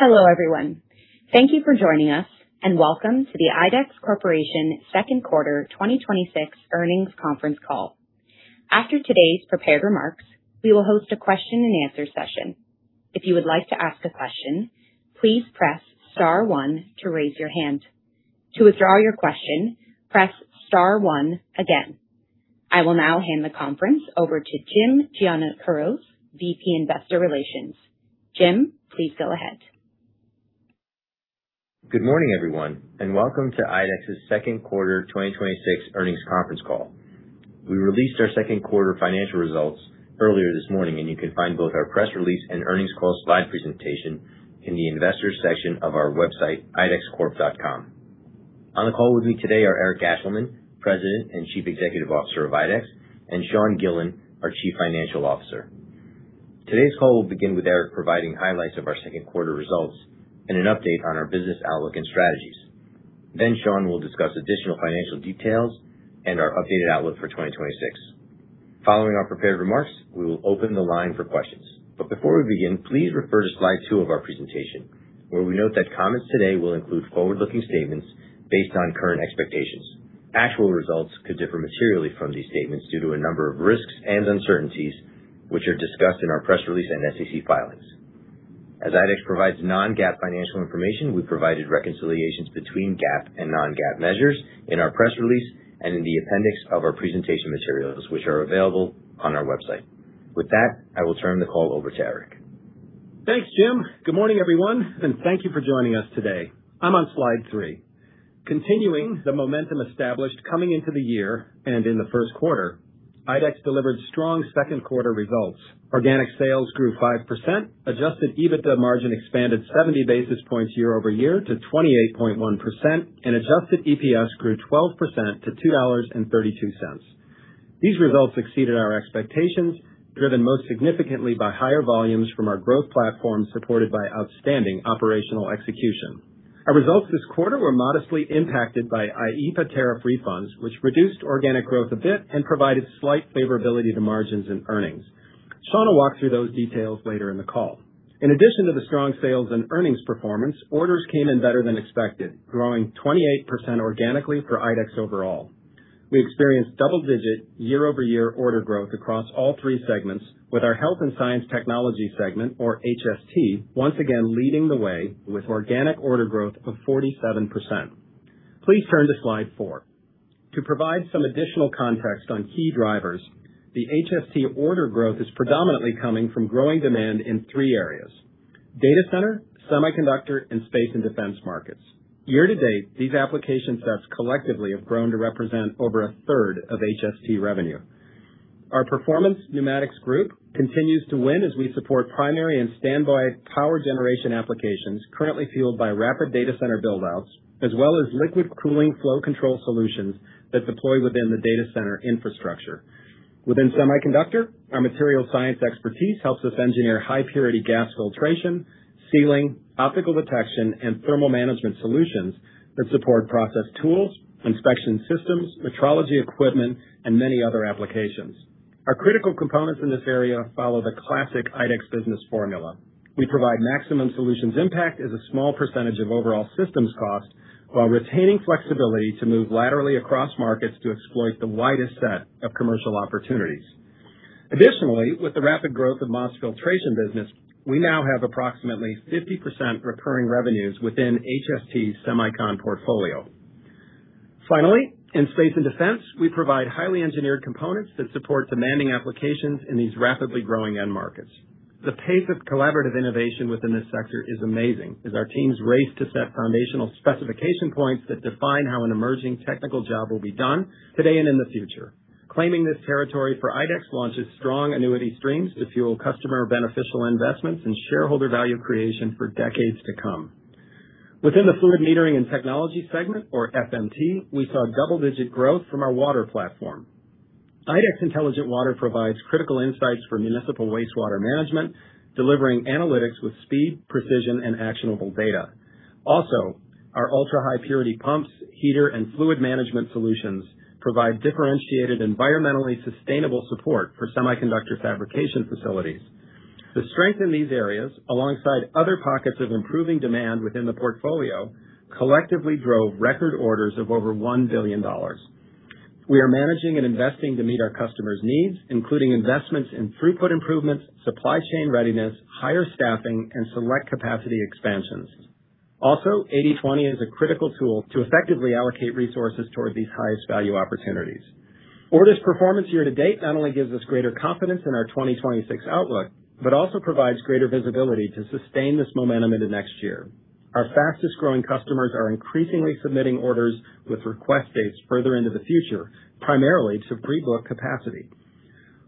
Hello, everyone. Thank you for joining us, and welcome to the IDEX Corporation Second Quarter 2026 Earnings Conference Call. After today's prepared remarks, we will host a question-and-answer session. If you would like to ask a question, please press star one to raise your hand. To withdraw your question, press star one again. I will now hand the conference over to Jim Giannakouros, VP Investor Relations. Jim, please go ahead. Good morning, everyone, and welcome to IDEX's second quarter 2026 earnings conference call. We released our second quarter financial results earlier this morning, and you can find both our press release and earnings call slide presentation in the investors section of our website, idexcorp.com. On the call with me today are Eric Ashleman, President and Chief Executive Officer of IDEX, and Sean Gillen, our Chief Financial Officer. Today's call will begin with Eric providing highlights of our second quarter results and an update on our business outlook and strategies. Sean will discuss additional financial details and our updated outlook for 2026. Following our prepared remarks, we will open the line for questions. Before we begin, please refer to slide two of our presentation, where we note that comments today will include forward-looking statements based on current expectations. Actual results could differ materially from these statements due to a number of risks and uncertainties, which are discussed in our press release and SEC filings. As IDEX provides non-GAAP financial information, we provided reconciliations between GAAP and non-GAAP measures in our press release and in the appendix of our presentation materials, which are available on our website. With that, I will turn the call over to Eric. Thanks, Jim. Good morning, everyone, and thank you for joining us today. I'm on slide three. Continuing the momentum established coming into the year and in the first quarter, IDEX delivered strong second quarter results. Organic sales grew 5%, adjusted EBITDA margin expanded 70 basis points year-over-year to 28.1%, and adjusted EPS grew 12% to $2.32. These results exceeded our expectations, driven most significantly by higher volumes from our growth platform, supported by outstanding operational execution. Our results this quarter were modestly impacted by IEEPA tariff refunds, which reduced organic growth a bit and provided slight favorability to margins and earnings. Sean will walk through those details later in the call. In addition to the strong sales and earnings performance, orders came in better than expected, growing 28% organically for IDEX overall. We experienced double-digit year-over-year order growth across all three segments, with our Health & Science Technologies segment, or HST, once again leading the way with organic order growth of 47%. Please turn to slide four. To provide some additional context on key drivers, the HST order growth is predominantly coming from growing demand in three areas: data center, semiconductor, and space and defense markets. Year to date, these application sets collectively have grown to represent over a third of HST revenue. Our Performance Pneumatics group continues to win as we support primary and standby power generation applications currently fueled by rapid data center build-outs, as well as liquid cooling flow control solutions that deploy within the data center infrastructure. Within semiconductors, our material science expertise helps us engineer high-purity gas filtration, sealing, optical detection, and thermal management solutions that support process tools, inspection systems, metrology equipment, and many other applications. Our critical components in this area follow the classic IDEX business formula. We provide maximum solutions impact as a small percentage of overall systems cost while retaining flexibility to move laterally across markets to exploit the widest set of commercial opportunities. With the rapid growth of the Mott filtration business, we now have approximately 50% recurring revenues within HST's semiconductor portfolio. In space and defense, we provide highly engineered components that support demanding applications in these rapidly growing semiconductors. The pace of collaborative innovation within this sector is amazing as our teams race to set foundational specification points that define how an emerging technical job will be done today and in the future. Claiming this territory for IDEX launches strong annuity streams to fuel customer-beneficial investments and shareholder value creation for decades to come. Within the Fluid & Metering Technologies segment, or FMT, we saw double-digit growth from our water platform. IDEX Intelligent Water provides critical insights for municipal wastewater management, delivering analytics with speed, precision, and actionable data. Our ultra-high-purity pumps, heaters, and fluid management solutions provide differentiated, environmentally sustainable support for semiconductor fabrication facilities. The strength in these areas, alongside other pockets of improving demand within the portfolio, collectively drove record orders of over $1 billion. We are managing and investing to meet our customers' needs, including investments in throughput improvements, supply chain readiness, higher staffing, and select capacity expansions. 80/20 is a critical tool to effectively allocate resources toward these highest-value opportunities. Orders performance year to date not only gives us greater confidence in our 2026 outlook but also provides greater visibility to sustain this momentum into next year. Our fastest-growing customers are increasingly submitting orders with request dates further into the future, primarily to pre-book capacity.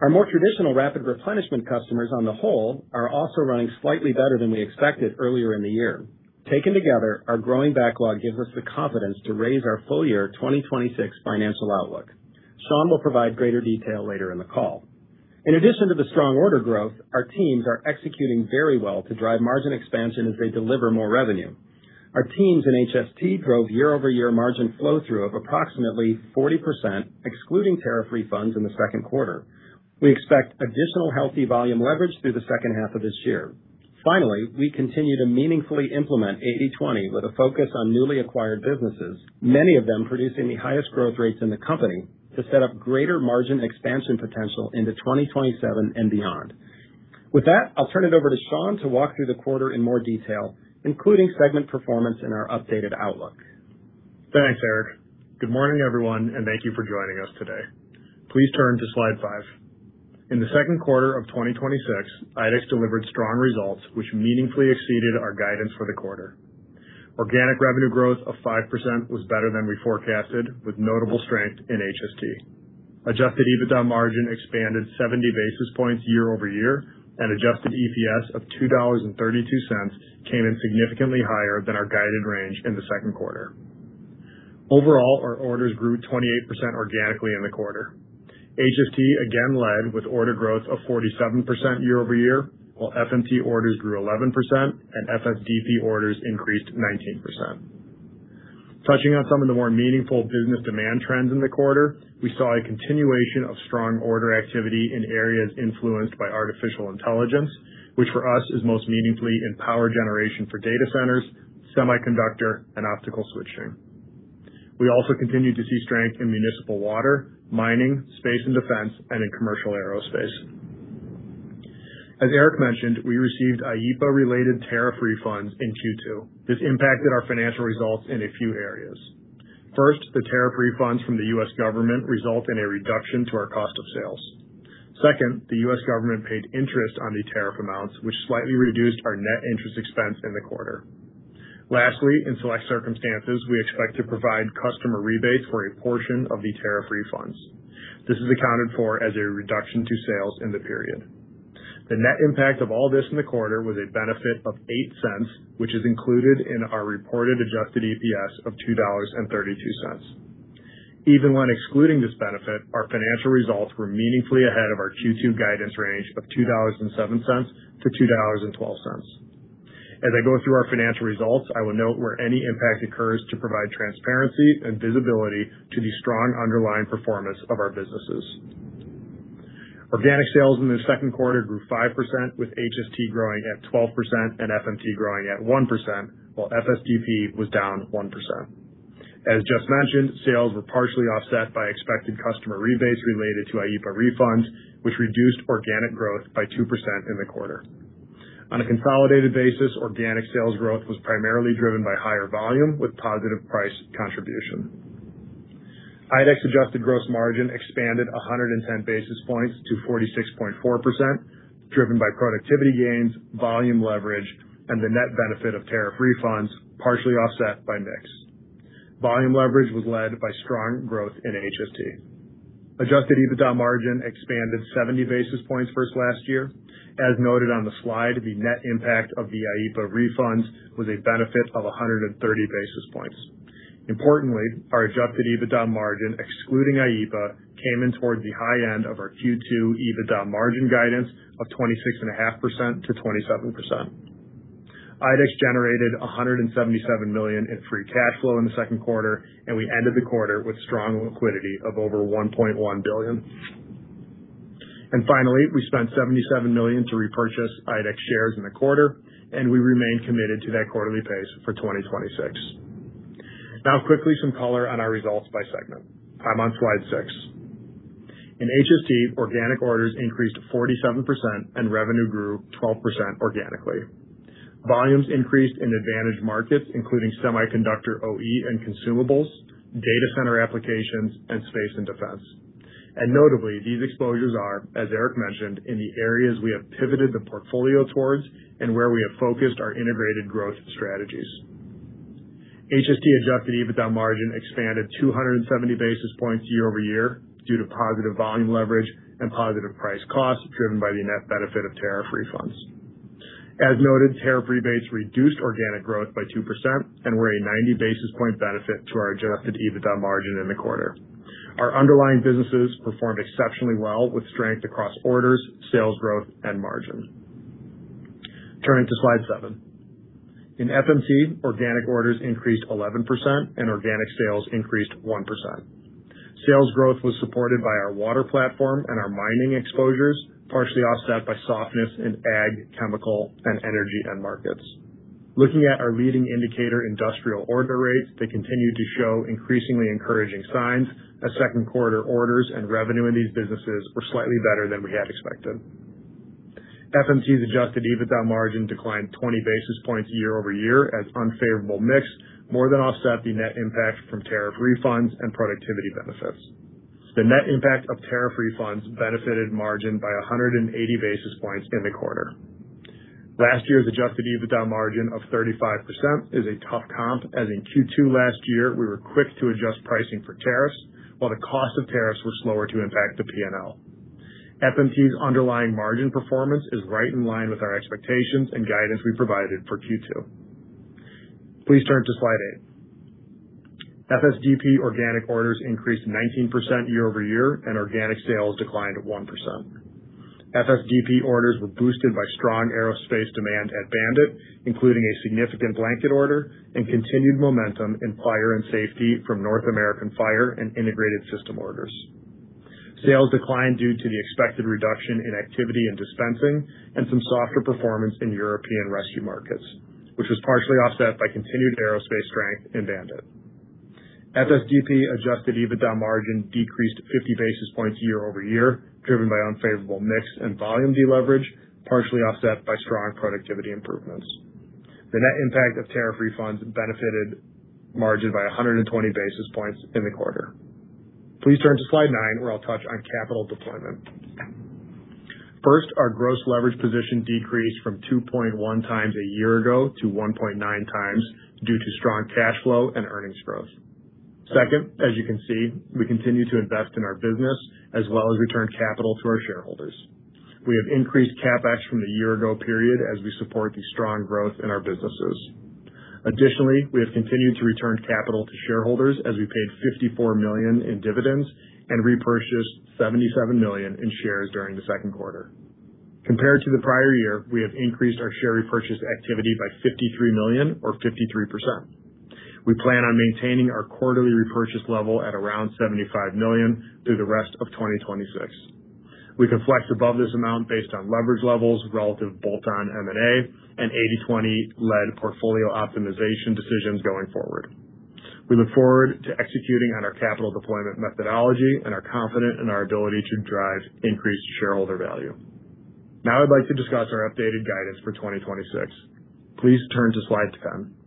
Our more traditional rapid replenishment customers, on the whole, are also running slightly better than we expected earlier in the year. Taken together, our growing backlog gives us the confidence to raise our full-year 2026 financial outlook. Sean will provide greater detail later in the call. In addition to the strong order growth, our teams are executing very well to drive margin expansion as they deliver more revenue. Our teams in HST drove year-over-year margin flow-through of approximately 40%, excluding tariff refunds in the second quarter. We expect additional healthy volume leverage through the second half of this year. Finally, we continue to meaningfully implement 80/20 with a focus on newly acquired businesses, many of them producing the highest growth rates in the company to set up greater margin expansion potential into 2027 and beyond. With that, I'll turn it over to Sean to walk through the quarter in more detail, including segment performance and our updated outlook. Thanks, Eric. Good morning, everyone, and thank you for joining us today. Please turn to slide five. In the second quarter of 2026, IDEX delivered strong results, which meaningfully exceeded our guidance for the quarter. Organic revenue growth of 5% was better than we forecasted, with notable strength in HST. Adjusted EBITDA margin expanded 70 basis points year-over-year, and adjusted EPS of $2.32 came in significantly higher than our guided range in the second quarter. Overall, our orders grew 28% organically in the quarter. HST again led with order growth of 47% year-over-year, while FMT orders grew 11% and FSDP orders increased 19%. Touching on some of the more meaningful business demand trends in the quarter, we saw a continuation of strong order activity in areas influenced by artificial intelligence, which for us is most meaningfully in power generation for data centers, semiconductors, and optical switching. We also continued to see strength in municipal water, mining, space and defense, and in commercial aerospace. As Eric mentioned, we received IEEPA-related tariff refunds in Q2. This impacted our financial results in a few areas. First, the tariff refunds from the U.S. government result in a reduction to our cost of sales. Second, the U.S. government paid interest on the tariff amounts, which slightly reduced our net interest expense in the quarter. Lastly, in select circumstances, we expect to provide customer rebates for a portion of the tariff refunds. This is accounted for as a reduction to sales in the period. The net impact of all this in the quarter was a benefit of $0.08, which is included in our reported adjusted EPS of $2.32. Even when excluding this benefit, our financial results were meaningfully ahead of our Q2 guidance range of $2.07-$2.12. As I go through our financial results, I will note where any impact occurs to provide transparency and visibility to the strong underlying performance of our businesses. Organic sales in the second quarter grew 5%, with HST growing at 12% and FMT growing at 1%, while FSDP was down 1%. As just mentioned, sales were partially offset by expected customer rebates related to IEEPA refunds, which reduced organic growth by 2% in the quarter. On a consolidated basis, organic sales growth was primarily driven by higher volume with positive price contribution. IDEX adjusted gross margin expanded 110 basis points to 46.4%, driven by productivity gains, volume leverage, and the net benefit of tariff refunds, partially offset by mix. Volume leverage was led by strong growth in HST. Adjusted EBITDA margin expanded 70 basis points versus last year. As noted on the slide, the net impact of the IEEPA refunds was a benefit of 130 basis points. Importantly, our adjusted EBITDA margin, excluding IEEPA, came in toward the high end of our Q2 EBITDA margin guidance of 26.5%-27%. IDEX generated $177 million in free cash flow in the second quarter, and we ended the quarter with strong liquidity of over $1.1 billion. Finally, we spent $77 million to repurchase IDEX shares in the quarter, and we remain committed to that quarterly pace for 2026. Quickly, some color on our results by segment. I'm on slide six. In HST, organic orders increased 47%, and revenue grew 12% organically. Volumes increased in advantage markets, including semiconductor OE and consumables, data center applications, and space and defense. Notably, these exposures are, as Eric mentioned, in the areas we have pivoted the portfolio towards and where we have focused our integrated growth strategies. HST adjusted EBITDA margin expanded 270 basis points year-over-year due to positive volume leverage and positive price cost, driven by the net benefit of tariff refunds. As noted, tariff rebates reduced organic growth by 2% and were a 90 basis point benefit to our adjusted EBITDA margin in the quarter. Our underlying businesses performed exceptionally well with strength across orders, sales growth, and margin. Turning to slide seven. In FMT, organic orders increased 11% and organic sales increased 1%. Sales growth was supported by our water platform and our mining exposures, partially offset by softness in ag, chemical, and energy end markets. Looking at our leading indicator industrial order rates, they continue to show increasingly encouraging signs as second quarter orders and revenue in these businesses were slightly better than we had expected. FMT's adjusted EBITDA margin declined 20 basis points year-over-year as unfavorable mix more than offset the net impact from tariff refunds and productivity benefits. The net impact of tariff refunds benefited margin by 180 basis points in the quarter. Last year's adjusted EBITDA margin of 35% is a tough comp, as in Q2 last year, we were quick to adjust pricing for tariffs, while the cost of tariffs were slower to impact the P&L. FMT's underlying margin performance is right in line with our expectations and guidance we provided for Q2. Please turn to slide eight. FSDP organic orders increased 19% year-over-year, organic sales declined 1%. FSDP orders were boosted by strong aerospace demand at BAND-IT, including a significant blanket order and continued momentum in fire and safety from North American Fire and integrated system orders. Sales declined due to the expected reduction in activity and dispensing and some softer performance in European rescue markets, which was partially offset by continued aerospace strength in BAND-IT. FSDP adjusted EBITDA margin decreased 50 basis points year-over-year, driven by unfavorable mix and volume de-leverage, partially offset by strong productivity improvements. The net impact of tariff refunds benefited margin by 120 basis points in the quarter. Please turn to slide nine, where I'll touch on capital deployment. First, our gross leverage position decreased from 2.1x a year ago to 1.9x due to strong cash flow and earnings growth. Second, as you can see, we continue to invest in our business as well as return capital to our shareholders. We have increased CapEx from the year ago period as we support the strong growth in our businesses. Additionally, we have continued to return capital to shareholders as we paid $54 million in dividends and repurchased $77 million in shares during the second quarter. Compared to the prior year, we have increased our share repurchase activity by $53 million or 53%. We plan on maintaining our quarterly repurchase level at around $75 million through the rest of 2026. We can flex above this amount based on leverage levels, relative bolt-on M&A, and 80/20 lead portfolio optimization decisions going forward. We look forward to executing on our capital deployment methodology and are confident in our ability to drive increased shareholder value. I'd like to discuss our updated guidance for 2026. Please turn to slide 10.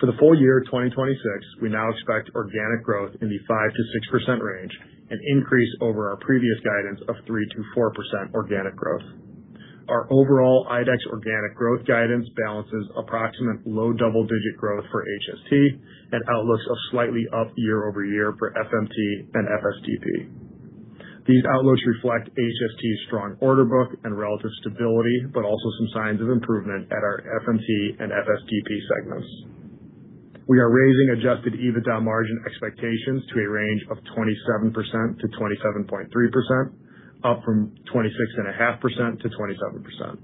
For the full year of 2026, we now expect organic growth in the 5%-6% range, an increase over our previous guidance of 3%-4% organic growth. Our overall IDEX organic growth guidance balances approximate low double-digit growth for HST and outlooks of slightly up year-over-year for FMT and FSDP. These outlooks reflect HST's strong order book and relative stability, but also some signs of improvement at our FMT and FSDP segments. We are raising adjusted EBITDA margin expectations to a range of 27%-27.3%, up from 26.5%-27%.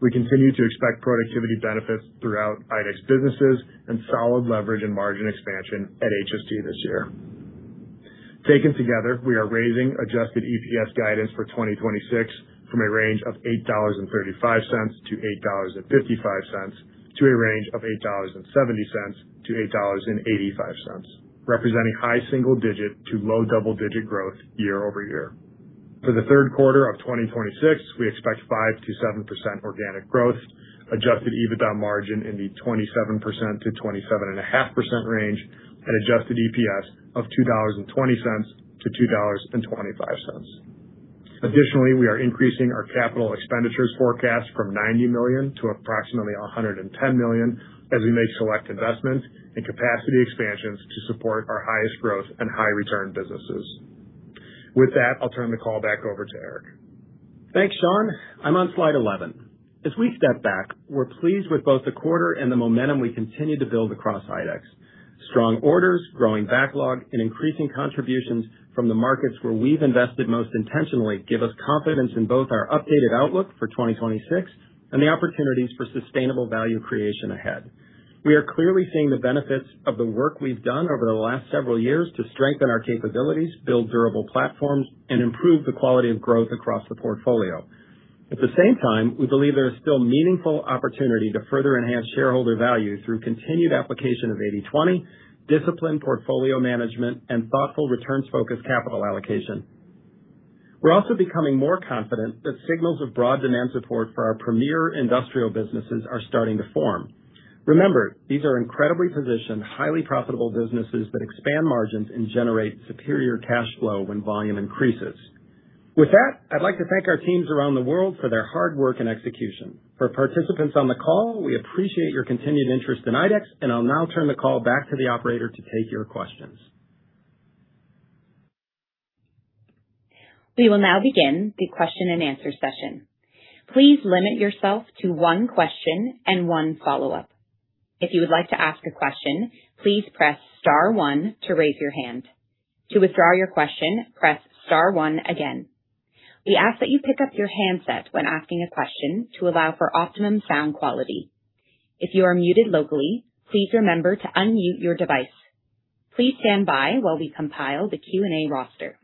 We continue to expect productivity benefits throughout IDEX businesses and solid leverage and margin expansion at HST this year. Taken together, we are raising adjusted EPS guidance for 2026 from a range of $8.35-$8.55 to a range of $8.70-$8.85, representing high single-digit to low double-digit growth year-over-year. For the third quarter of 2026, we expect 5%-7% organic growth, adjusted EBITDA margin in the 27%-27.5% range, and adjusted EPS of $2.20-$2.25. Additionally, we are increasing our capital expenditures forecast from $90 million to approximately $110 million as we make select investments and capacity expansions to support our highest growth and high return businesses. With that, I'll turn the call back over to Eric. Thanks, Sean. I'm on slide 11. As we step back, we're pleased with both the quarter and the momentum we continue to build across IDEX. Strong orders, growing backlog, and increasing contributions from the markets where we've invested most intentionally give us confidence in both our updated outlook for 2026 and the opportunities for sustainable value creation ahead. We are clearly seeing the benefits of the work we've done over the last several years to strengthen our capabilities, build durable platforms, and improve the quality of growth across the portfolio. At the same time, we believe there is still meaningful opportunity to further enhance shareholder value through continued application of 80/20, disciplined portfolio management, and thoughtful returns-focused capital allocation. We're also becoming more confident that signals of broad demand support for our premier industrial businesses are starting to form. Remember, these are incredibly positioned, highly profitable businesses that expand margins and generate superior cash flow when volume increases. With that, I would like to thank our teams around the world for their hard work and execution. For participants on the call, we appreciate your continued interest in IDEX, and I will now turn the call back to the operator to take your questions. We will now begin the question-and-answer session. Please limit yourself to one question and one follow-up. If you would like to ask a question, please press star one to raise your hand. To withdraw your question, press star one again. We ask that you pick up your handset when asking a question to allow for optimum sound quality. If you are muted locally, please remember to unmute your device. Please stand by while we compile the Q&A roster.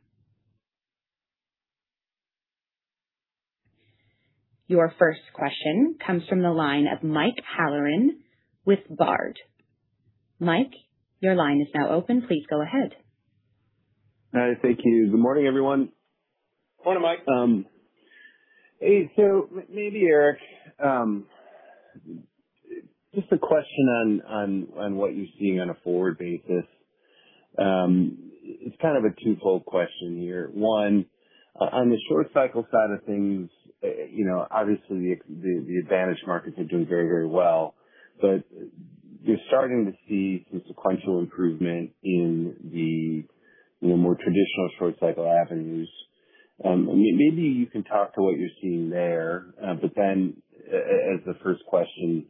Your first question comes from the line of Mike Halloran with Baird. Mike, your line is now open. Please go ahead. Thank you. Good morning, everyone. Morning, Mike. Hey, Eric, just a question on what you're seeing on a forward basis. It's kind of a twofold question here. One, on the short cycle side of things, obviously the advantage markets are doing very well; you're starting to see some sequential improvement in the more traditional short cycle avenues. Maybe you can talk to what you're seeing there. Then, as the first question,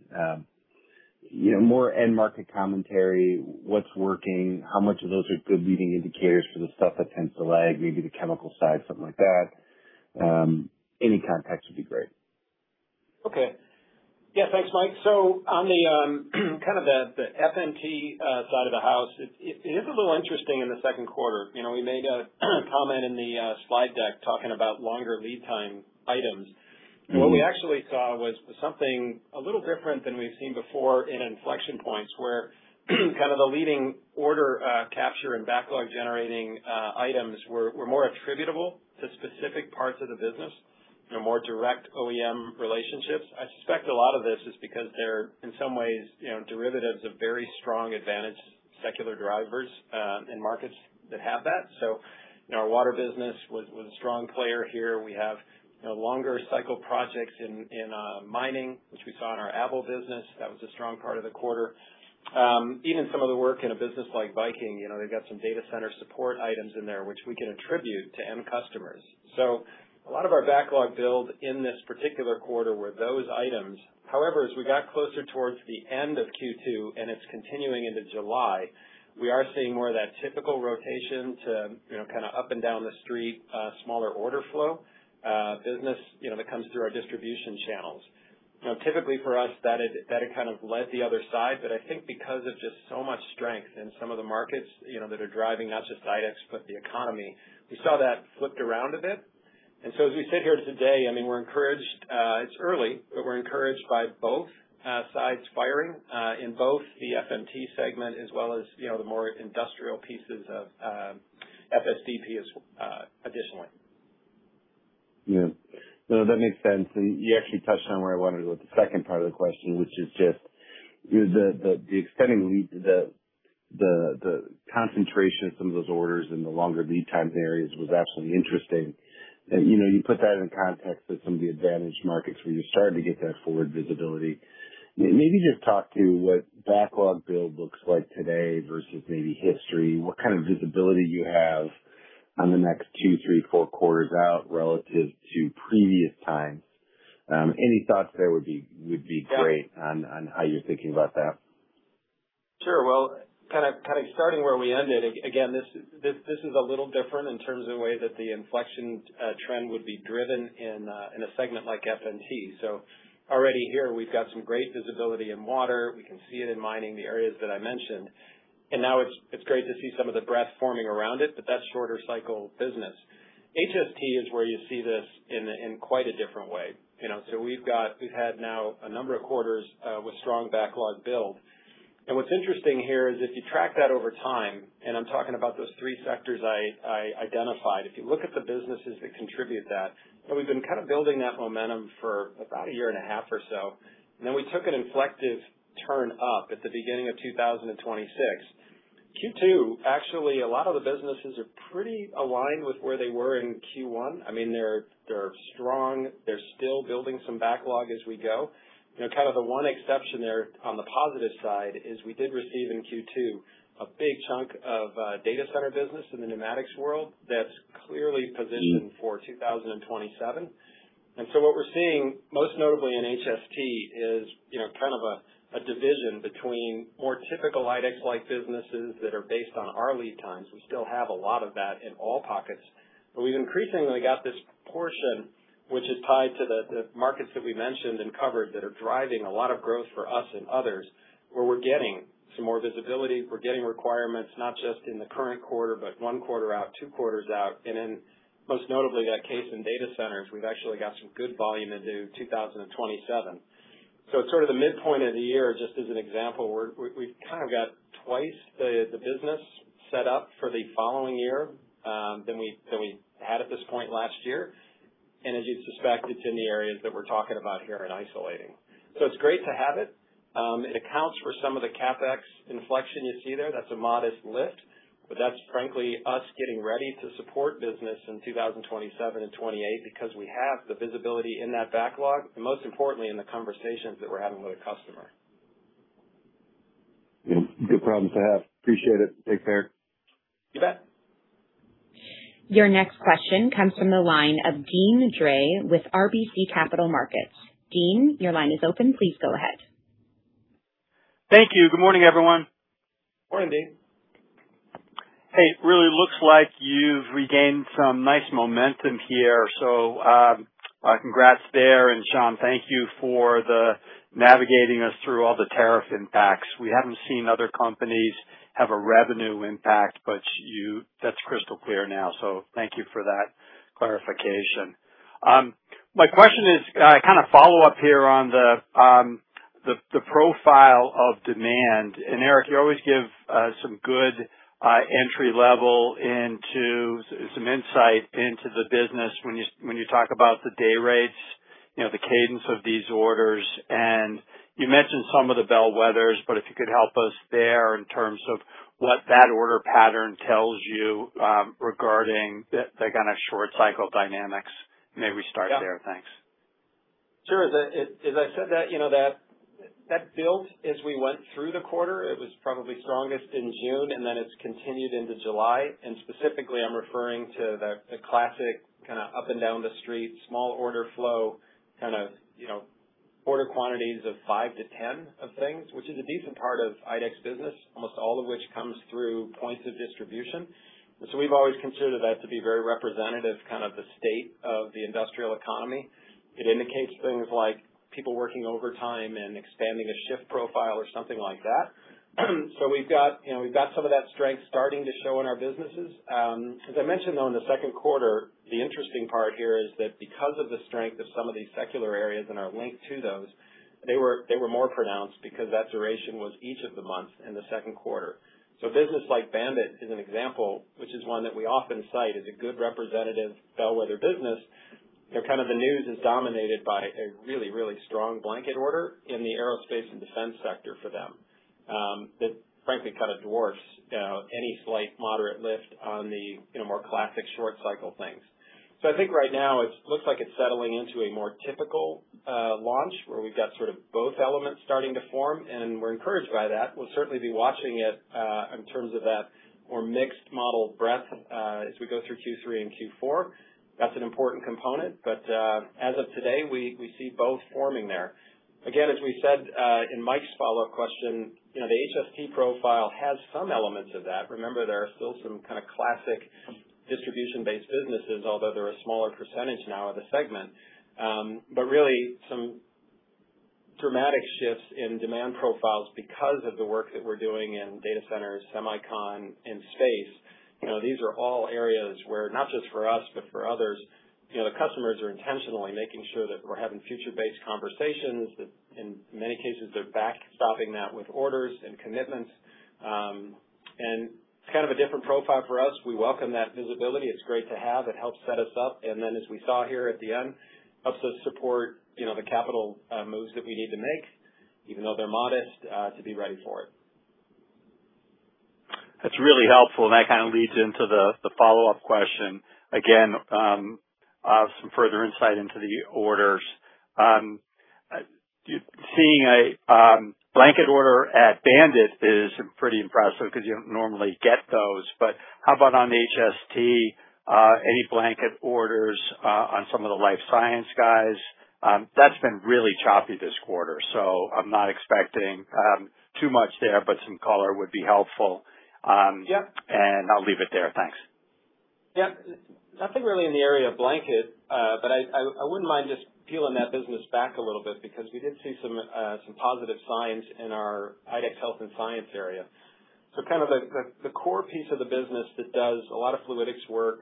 more end market commentary: what's working, how much of those are good leading indicators for the stuff that tends to lag, maybe the chemical side, something like that? Any context would be great. Okay. Yeah. Thanks, Mike. On the kind of the FMT side of the house, it is a little interesting in the second quarter. We made a comment in the slide deck talking about longer lead time items. What we actually saw was something a little different than we've seen before in inflection points, where the leading order capture and backlog-generating items were more attributable to specific parts of the business and more direct OEM relationships. I suspect a lot of this is because they're, in some ways, derivatives of very strong, advantage-seeking secular drivers in markets that have that. Our water business was a strong player here. We have longer cycle projects in mining, which we saw in our ABEL business. That was a strong part of the quarter. Even some of the work in a business like Viking, they've got some data center support items in there, which we can attribute to end customers. A lot of our backlog builds in this particular quarter were those items. As we got closer towards the end of Q2 and it's continuing into July, we are seeing more of that typical rotation up and down the street, smaller order flow business that comes through our distribution channels. Typically for us, it led the other side. I think because of just so much strength in some of the markets that are driving not just IDEX but the economy, we saw that flipped around a bit. As we sit here today, we're encouraged. It's early, but we're encouraged by both sides firing in both the FMT segment as well as the more industrial pieces of FSDP additionally. Yeah. No, that makes sense. You actually touched on where I wanted to go with the second part of the question, which is just the extending lead; the concentration of some of those orders and the longer lead time areas were absolutely interesting. You put that in the context of some of the advanced markets where you're starting to get that forward visibility. Maybe just talk about what backlog build looks like today versus maybe history. What kind of visibility do you have on the next two, three, or four quarters out relative to previous times? Any thoughts there would be great— Yeah ...on how you're thinking about that. Sure. Well, kind of starting where we ended. Again, this is a little different in terms of the way that the inflection trend would be driven in a segment like FMT. Already here we've got some great visibility in water. We can see it in mining, the areas that I mentioned. Now it's great to see some of the breadth forming around it, but that's shorter cycle business. HST is where you see this in quite a different way. We've had now a number of quarters with strong backlog build. What's interesting here is if you track that over time, and I'm talking about those three sectors I identified, if you look at the businesses that contribute that, we've been kind of building that momentum for about a year and a half or so, then we took an inflective turn up at the beginning of 2026. Q2, actually, a lot of the businesses are pretty aligned with where they were in Q1. They're strong. They're still building some backlog as we go. Kind of the one exception there on the positive side is we did receive in Q2 a big chunk of data center business in the pneumatics world that's clearly positioned for 2027. What we're seeing most notably in HST is kind of a division between more typical IDEX-like businesses that are based on our lead times. We still have a lot of that in all pockets. We've increasingly got this portion, which is tied to the markets that we mentioned and covered that are driving a lot of growth for us and others, where we're getting some more visibility. We're getting requirements not just in the current quarter, but one quarter out, two quarters out, and in most notably that case in data centers. We've actually got some good volume into 2027. It's sort of the midpoint of the year, just as an example, where we've kind of got twice the business set up for the following year than we had at this point last year. As you'd suspect, it's in the areas that we're talking about here and isolating. It's great to have it. It accounts for some of the CapEx inflection you see there. That's a modest lift, but that's frankly us getting ready to support business in 2027 and 2028 because we have the visibility in that backlog and, most importantly, in the conversations that we're having with a customer. Good problem to have. Appreciate it. Take care. You bet. Your next question comes from the line of Deane Dray with RBC Capital Markets. Deane, your line is open. Please go ahead. Thank you. Good morning, everyone. Morning, Deane. Hey, it really looks like you've regained some nice momentum here. Congrats there. Sean, thank you for navigating us through all the tariff impacts. We haven't seen other companies have a revenue impact, but that's crystal clear now. Thank you for that clarification. My question is kind of follow-up here on the profile of demand. Eric, you always give some good entry-level insight into the business when you talk about the day rates, the cadence of these orders, and you mentioned some of the bellwethers, but if you could help us there in terms of what that order pattern tells you regarding the kind of short-cycle dynamics. Maybe start there. Thanks. Sure. As I said, that builds as we went through the quarter. Then it's continued into July. Specifically, I'm referring to the classic kind of up-and-down-the-street, small order flow, kind of order quantities of five to 10 of things. Which is a decent part of IDEX's business, almost all of which comes through points of distribution. We've always considered that to be very representative, kind of the state of the industrial economy. It indicates things like people working overtime and expanding a shift profile or something like that. We've got some of that strength starting to show in our businesses. As I mentioned, though, in the second quarter, the interesting part here is that because of the strength of some of these secular areas and our link to those, they were more pronounced because that duration was each of the months in the second quarter. Business like BAND-IT is an example, which is one that we often cite as a good representative bellwether business. Kind of, the news is dominated by a really, really strong blanket order in the aerospace and defense sector for them. That frankly kind of dwarfs any slight moderate lift on the more classic short-cycle things. I think right now it looks like it's settling into a more typical launch where we've got sort of both elements starting to form. We're encouraged by that. We'll certainly be watching it in terms of that more mixed model breadth as we go through Q3 and Q4. That's an important component. As of today, we see both forming there. Again, as we said in Mike's follow-up question, the HST profile has some elements of that. Remember, there are still some kind of classic distribution-based businesses, although they're a smaller percentage now of the segment. Really, some dramatic shifts in demand profiles because of the work that we're doing in data centers, semicon, and space. These are all areas where, not just for us, but for others, the customers are intentionally making sure that we're having future-based conversations, that in many cases, they're back stopping that with orders and commitments. It's kind of a different profile for us. We welcome that visibility. It's great to have. It helps set us up. As we saw here at the end, helps us support the capital moves that we need to make, even though they're modest to be ready for it. That's really helpful. That kind of leads into the follow-up question. Again, some further insight into the orders. Seeing a blanket order at BAND-IT is pretty impressive because you don't normally get those. How about on HST? Any blanket orders on some of the life science guys? That's been really choppy this quarter. I'm not expecting too much there, but some color would be helpful. Yeah. I'll leave it there. Thanks. Yeah. Nothing really in the area of blanket. I wouldn't mind just peeling that business back a little bit because we did see some positive signs in our IDEX Health & Science area. Kind of the core piece of the business that does a lot of fluidics work,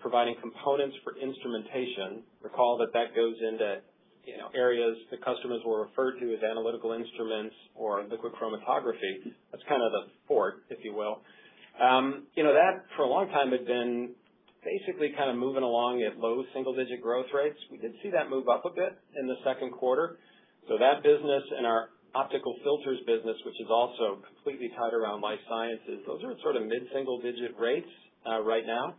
providing components for instrumentation. Recall that that goes into areas that customers will refer to as analytical instruments or liquid chromatography. That's kind of the fort, if you will. That, for a long time, had been basically kind of moving along at low single-digit growth rates. We did see that move up a bit in the second quarter. That business and our optical filters business, which is also completely tied around life sciences, those are sort of mid-single-digit rates right now.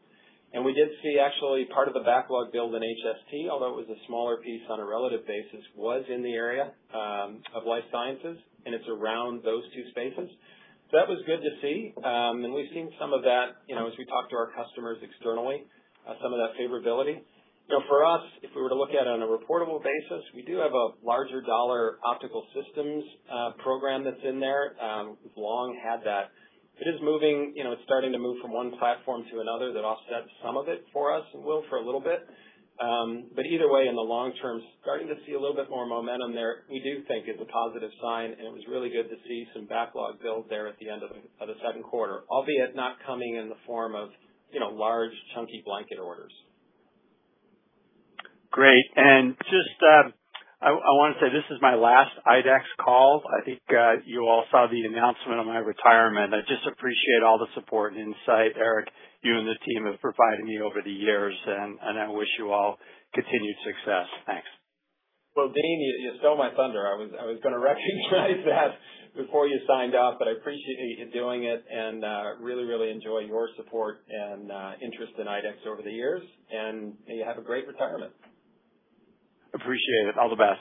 We did see, actually, part of the backlog build in HST, although it was a smaller piece on a relative basis, was in the area of life sciences, and it's around those two spaces. That was good to see. We've seen some of that as we talk to our customers externally, some of that favorability. For us, if we were to look at it on a reportable basis, we do have a larger dollar optical systems program that's in there. We've long had that. It is moving. It's starting to move from one platform to another. That offsets some of it for us, it will for a little bit. Either way, in the long term, starting to see a little bit more momentum there. We do think it's a positive sign, and it was really good to see some backlog build there at the end of the second quarter, albeit not coming in the form of large chunky blanket orders. Great. Just, I want to say this is my last IDEX call. I think you all saw the announcement of my retirement. I just appreciate all the support and insight Eric, you and the team have provided me over the years, and I wish you all continued success. Thanks. Well, Deane, you stole my thunder. I was going to recognize that before you signed off. I appreciate you doing it and really, really enjoy your support and interest in IDEX over the years. May you have a great retirement. Appreciate it. All the best.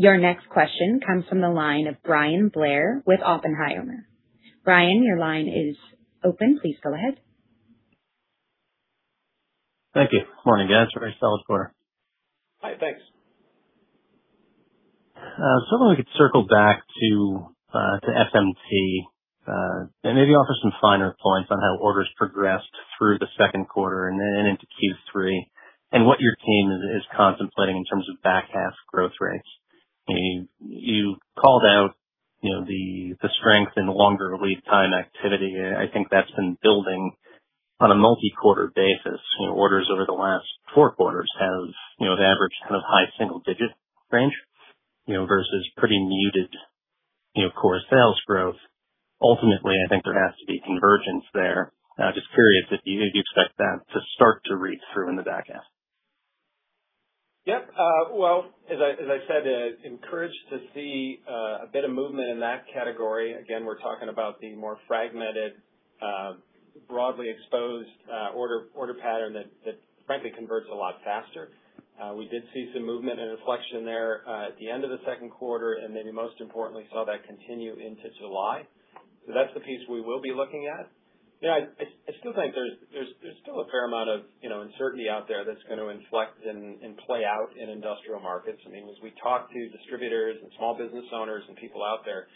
Your next question comes from the line of Bryan Blair with Oppenheimer. Bryan, your line is open. Please go ahead. Thank you. Morning, guys. Very solid quarter. Hi, thanks. If we could circle back to FMT and maybe offer some finer points on how orders progressed through the second quarter and then into Q3 and what your team is contemplating in terms of back half growth rates. You called out the strength in longer lead time activity. I think that's been building on a multi-quarter basis. Orders over the last four quarters have averaged kind of high single-digit range versus pretty muted core sales growth. Ultimately, I think there has to be convergence there. Just curious if you expect that to start to read through in the back half. Yep. As I said, encouraged to see a bit of movement in that category. Again, we're talking about the more fragmented, broadly exposed order pattern that frankly converts a lot faster. We did see some movement and inflection there at the end of the second quarter, and then most importantly, saw that continue into July. That's the piece we will be looking at. I still think there's still a fair amount of uncertainty out there that's going to inflect and play out in industrial markets. As we talk to distributors and small business owners and people out there,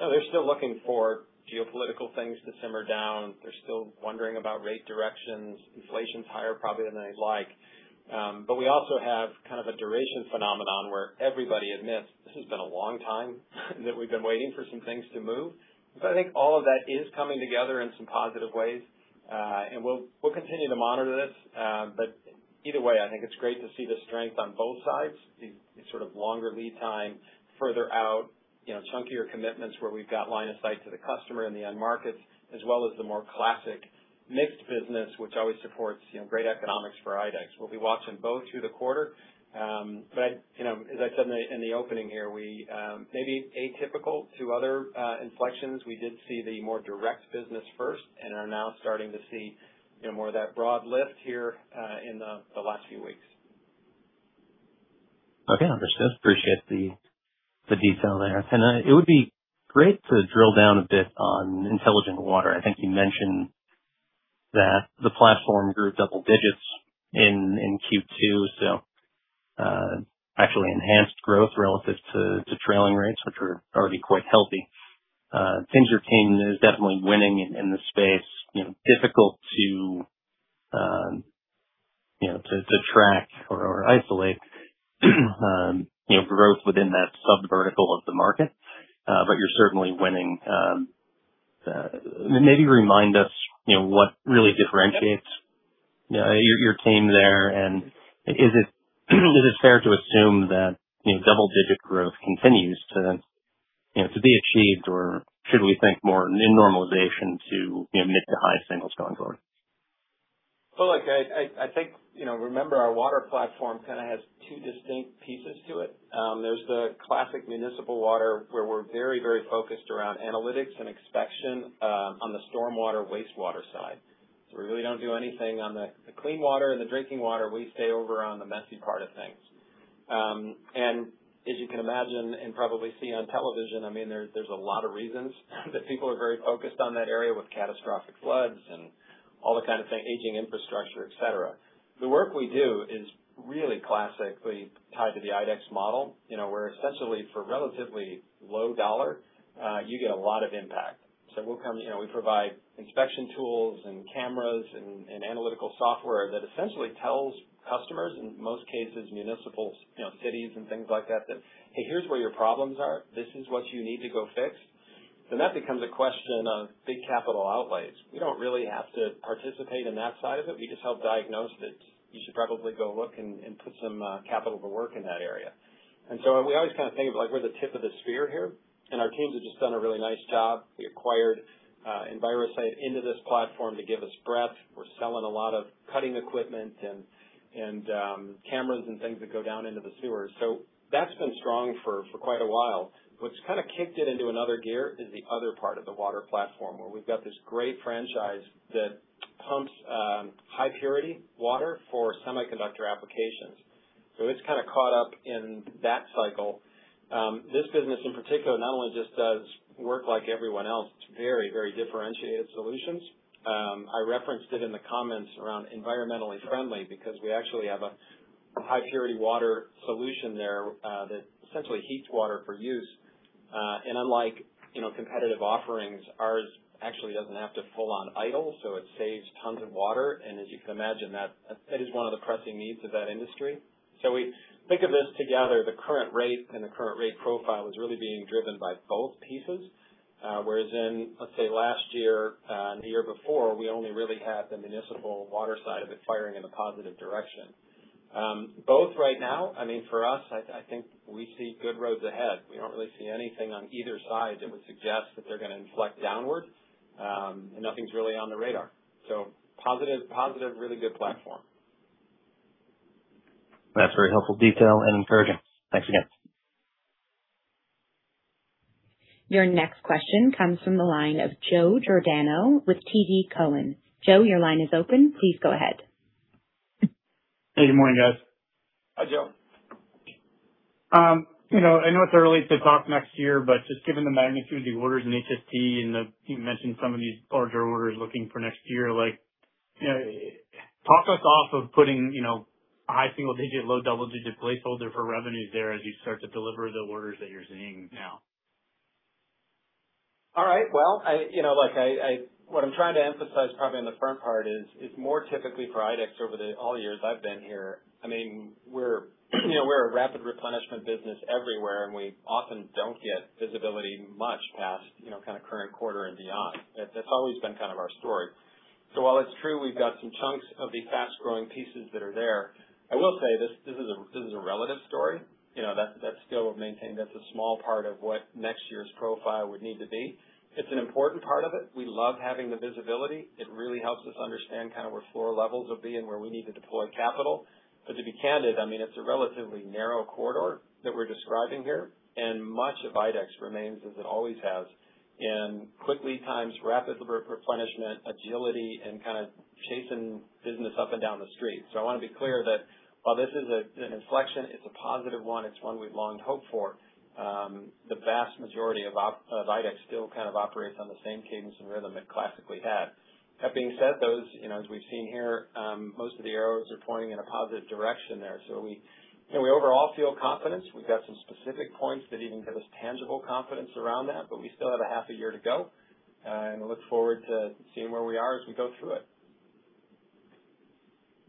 they're still looking for geopolitical things to simmer down. They're still wondering about rate directions. Inflation's higher, probably than they'd like. We also have kind of a duration phenomenon where everybody admits this has been a long time that we've been waiting for some things to move. I think all of that is coming together in some positive ways. We'll continue to monitor this. Either way, I think it's great to see the strength on both sides, the sort of longer lead time further out, chunkier commitments where we've got line of sight to the customer and the end markets, as well as the more classic mixed business, which always supports great economics for IDEX. We'll be watching both through the quarter. As I said in the opening here, maybe atypical to other inflections, we did see the more direct business first and are now starting to see more of that broad lift here in the last few weeks. Okay. Understood. Appreciate the detail there. It would be great to drill down a bit on Intelligent Water. I think you mentioned that the platform grew double-digits in Q2, so actually enhanced growth relative to trailing rates, which were already quite healthy. It seems your team is definitely winning in the space. Difficult to track or isolate growth within that sub-vertical of the market. You're certainly winning. Maybe remind us what really differentiates your team there, and is it fair to assume that double-digit growth continues to be achieved, or should we think more in normalization to mid-to-high singles going forward? Well, look, I think remember our water platform kind of has two distinct pieces to it. There's the classic municipal water, where we're very focused around analytics and inspection on the stormwater wastewater side. We really don't do anything on the clean water and the drinking water. We stay over on the messy part of things. As you can imagine and probably see on television, there's a lot of reasons that people are very focused on that area with catastrophic floods and all the kind of thing, aging infrastructure, et cetera. The work we do is really classically tied to the IDEX model, where essentially for relatively low dollar, you get a lot of impact. We provide inspection tools and cameras and analytical software that essentially tells customers, in most cases municipals, cities and things like that, Hey, here's where your problems are. This is what you need to go fix."That becomes a question of big capital outlays. We don't really have to participate in that side of it. We just help diagnose that you should probably go look and put some capital to work in that area. We always kind of think of like we're the tip of the spear here, and our teams have just done a really nice job. We acquired Envirosight into this platform to give us breadth. We're selling a lot of cutting equipment and cameras and things that go down into the sewers. That's been strong for quite a while. What's kind of kicked it into another gear is the other part of the water platform, where we've got this great franchise that pumps high-purity water for semiconductor applications. It's kind of caught up in that cycle. This business in particular not only just does work like everyone else, it's very differentiated solutions. I referenced it in the comments around environmentally friendly because we actually have a high-purity water solution there that essentially heats water for use. Unlike competitive offerings, ours actually doesn't have to full on idle, so it saves tons of water. As you can imagine, that is one of the pressing needs of that industry. We think of this together; the current rate and the current rate profile are really being driven by both pieces. Whereas in, let's say, last year and the year before, we only really had the municipal water side of it firing in a positive direction. Both right now, for us, I think we see good roads ahead. We don't really see anything on either side that would suggest that they're going to inflect downwards. Nothing's really on the radar. Positive, really good platform. That's very helpful detail and encouraging. Thanks again. Your next question comes from the line of Joe Giordano with TD Cowen. Joe, your line is open. Please go ahead. Hi, morning, guys. Hi, Joe. I know it's early to talk next year, just given the magnitude of the orders in HST, and you mentioned some of these larger orders looking for next year, talk us off of putting a high single-digit, low double-digit placeholder for revenues there as you start to deliver the orders that you're seeing now. All right. Well, what I'm trying to emphasize probably in the front part is more typical for IDEX over all years I've been here. We're a rapid replenishment business everywhere, and we often don't get visibility much past current quarter and beyond. That's always been kind of our story. While it's true we've got some chunks of the fast-growing pieces that are there, I will say this is a relative story. That skill of maintaining, that's a small part of what next year's profile would need to be. It's an important part of it. We love having the visibility. It really helps us understand where floor levels will be and where we need to deploy capital. To be candid, it's a relatively narrow corridor that we're describing here, and much of IDEX remains as it always has in quick lead times, rapid replenishment, agility, and chasing business up and down the street. I want to be clear that while this is an inflection, it's a positive one. It's one we've long hoped for. The vast majority of IDEX still operates on the same cadence and rhythm it classically had. That being said, as we've seen here, most of the arrows are pointing in a positive direction there. We overall feel confidence. We've got some specific points that even give us tangible confidence around that, but we still have a half a year to go, and we look forward to seeing where we are as we go through it.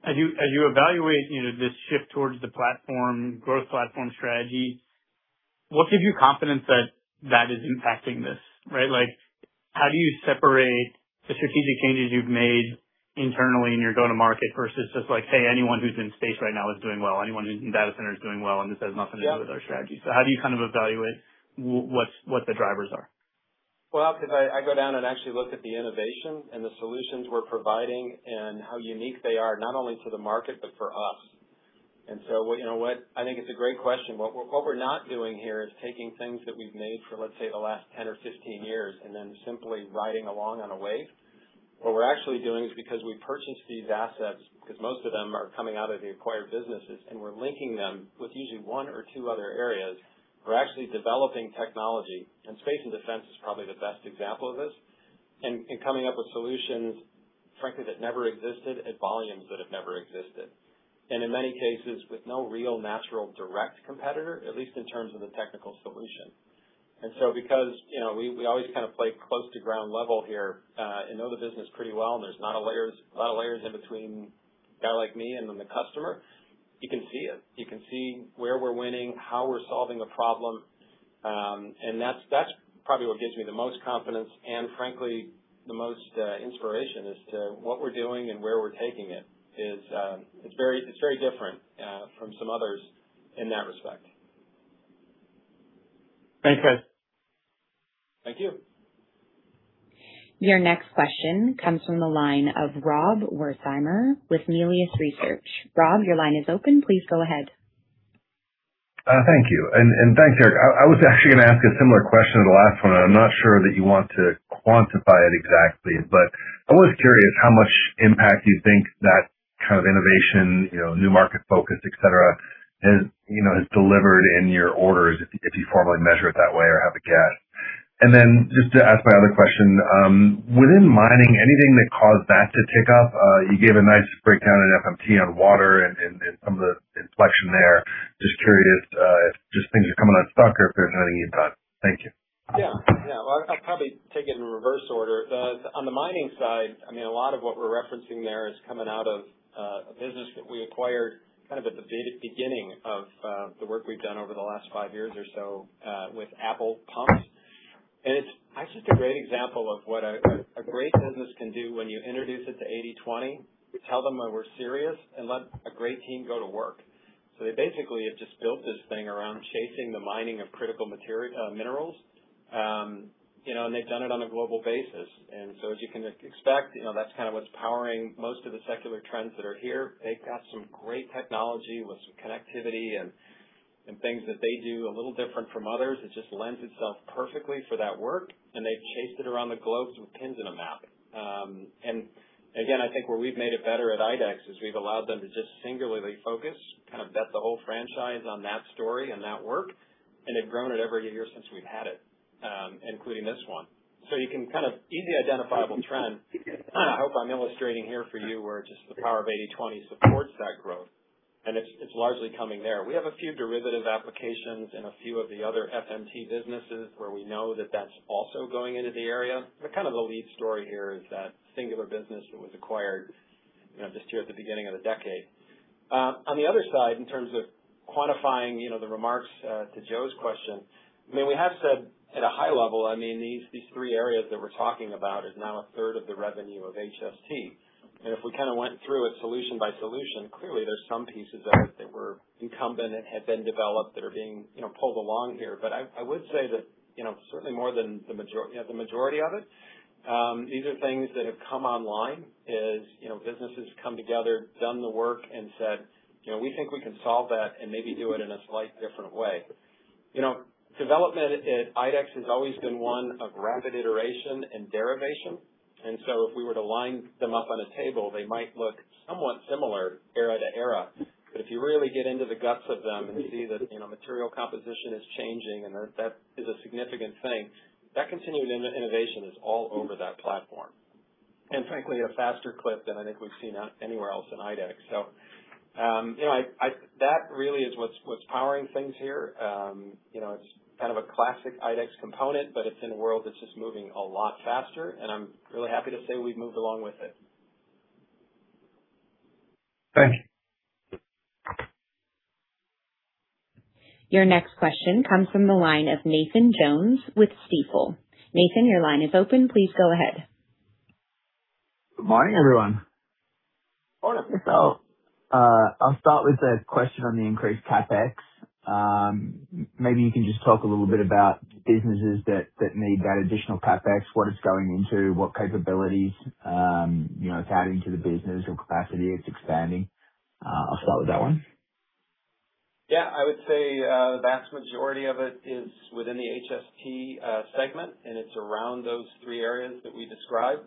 As you evaluate this shift towards the growth platform strategy, what gives you confidence that that is impacting this, right? How do you separate the strategic changes you've made internally in your go-to market versus just like, Hey, anyone who's in space right now is doing well, anyone in data center is doing well, and this has nothing to do with our strategy. How do you evaluate what the drivers are? Well, because I go down and actually look at the innovation and the solutions we're providing and how unique they are, not only to the market, but for us. I think it's a great question. What we're not doing here is taking things that we've made for, let's say, the last 10 or 15 years and then simply riding along on a wave. What we're actually doing is because we purchased these assets, because most of them are coming out of the acquired businesses, and we're linking them with usually one or two other areas. We're actually developing technology, and space and defense is probably the best example of this, and coming up with solutions, frankly, that never existed at volumes that have never existed. In many cases, with no real natural direct competitor, at least in terms of the technical solution. Because we always play close to ground level here and know the business pretty well, there's not a lot of layers in between a guy like me and then the customer. You can see it. You can see where we're winning, how we're solving a problem, and that's probably what gives me the most confidence and frankly, the most inspiration as to what we're doing and where we're taking it. It's very different from some others in that respect. Thanks, Eric. Thank you. Your next question comes from the line of Rob Wertheimer with Melius Research. Rob, your line is open. Please go ahead. Thank you. Thanks, Eric. I was actually going to ask a similar question to the last one, and I'm not sure that you want to quantify it exactly, but I was curious how much impact you think that kind of innovation, new market focus, et cetera, has delivered in your orders, if you formally measure it that way or have a guess. Then just to ask my other question, within mining, anything that caused that to tick up? You gave a nice breakdown at FMT on water and some of the inflection there. Just curious if just things are coming unstuck or if there's anything you've done. Thank you. Well, I'll probably take it in reverse order. On the mining side, a lot of what we're referencing there is coming out of a business that we acquired at the beginning of the work we've done over the last five years or so with ABEL Pumps. It's actually just a great example of what a great business can do when you introduce it to 80/20. You tell them that we're serious and let a great team go to work. They basically have just built this thing around chasing the mining of critical minerals, and they've done it on a global basis. As you can expect, that's what's powering most of the secular trends that are here. They've got some great technology with some connectivity and things that they do a little different from others. It just lends itself perfectly for that work, they've chased it around the globe with pins in a map. Again, I think where we've made it better at IDEX is we've allowed them to just singularly focus, bet the whole franchise on that story and that work, they've grown it every year since we've had it, including this one. You can easy identifiable trend. I hope I'm illustrating here for you where just the power of 80/20 supports that growth, it's largely coming there. We have a few derivative applications in a few of the other FMT businesses where we know that that's also going into the area, kind of the lead story here is that singular business that was acquired just here at the beginning of the decade. On the other side, in terms of quantifying the remarks to Joe's question, we have said at a high level, these three areas that we're talking about is now a third of the revenue of HST. If we went through it solution by solution, clearly there's some pieces of it that were incumbent and had been developed that are being pulled along here. I would say that certainly more than the majority of it, these are things that have come online as businesses come together, done the work, and said, We think we can solve that and maybe do it in a slight different way. Development at IDEX has always been one of rapid iteration and derivation. If we were to line them up on a table, they might look somewhat similar era to era. If you really get into the guts of them and you see that material composition is changing and that is a significant thing, that continued innovation is all over that platform. Frankly, at a faster clip than I think we've seen anywhere else in IDEX. That really is what's powering things here. It's kind of a classic IDEX component, but it's in a world that's just moving a lot faster, and I'm really happy to say we've moved along with it. Thank you. Your next question comes from the line of Nathan Jones with Stifel. Nathan, your line is open. Please go ahead. Good morning, everyone. All right. I'll start with a question on the increased CapEx. Maybe you can just talk a little bit about businesses that need that additional CapEx, what it's going into, what capabilities it's adding to the business or capacity it's expanding. I'll start with that one. I would say the vast majority of it is within the HST segment, and it's around those three areas that we described.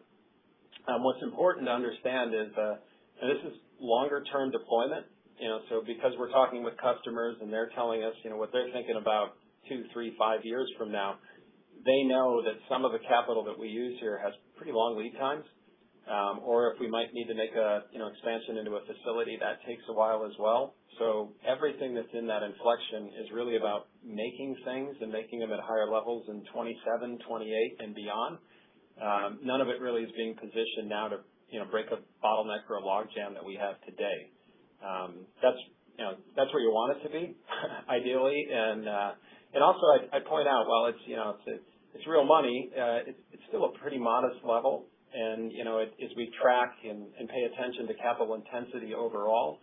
What's important to understand is that this is longer-term deployment. Because we're talking with customers and they're telling us what they're thinking about two, three, five years from now. They know that some of the capital that we use here has pretty long lead times. Or if we might need to make an expansion into a facility, that takes a while as well. Everything that's in that inflection is really about making things and making them at higher levels in 2027, 2028, and beyond. None of it really is being positioned now to break a bottleneck or a logjam that we have today. That's where you want it to be ideally. Also I'd point out while it's real money, it's still a pretty modest level. As we track and pay attention to capital intensity overall,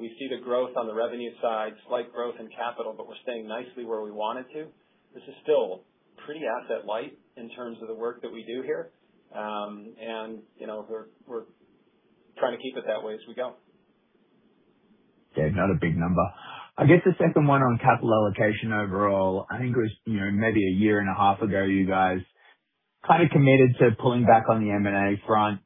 we see the growth on the revenue side, slight growth in capital, but we're staying nicely where we wanted to. This is still pretty asset light in terms of the work that we do here. We're trying to keep it that way as we go. Yeah, not a big number. I guess the second one on capital allocation overall, I think it was maybe a year and a half ago, you guys kind of committed to pulling back on the M&A front.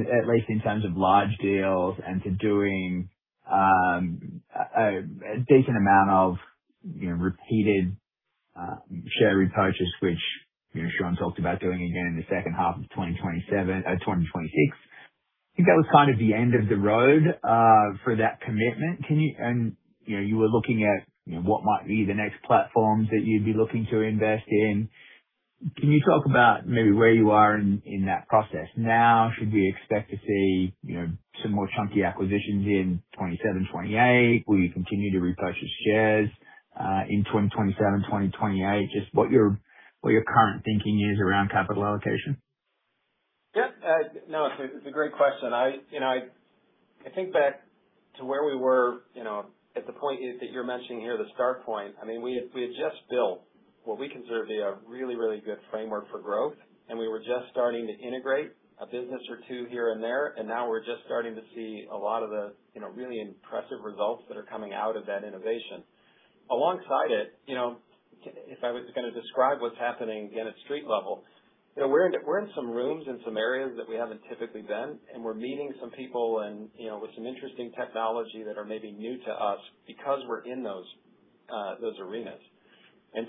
At least in terms of large deals and to doing a decent amount of repeated share repurchase, which Sean talked about doing again in the second half of 2026. I think that was kind of the end of the road for that commitment. You were looking at what might be the next platforms that you'd be looking to invest in. Can you talk about maybe where you are in that process now? Should we expect to see some more chunky acquisitions in 2027, 2028? Will you continue to repurchase shares in 2027, 2028? Just what your current thinking is around capital allocation. Yeah. No, it's a great question. I think back to where we were at the point is that you're mentioning here, the start point. We had just built what we consider to be a really good framework for growth, and we were just starting to integrate a business or two here and there, and now we're just starting to see a lot of the really impressive results that are coming out of that innovation. Alongside it, if I was going to describe what's happening again at street level, we're in some rooms in some areas that we haven't typically been, and we're meeting some people and with some interesting technology that are maybe new to us because we're in those arenas.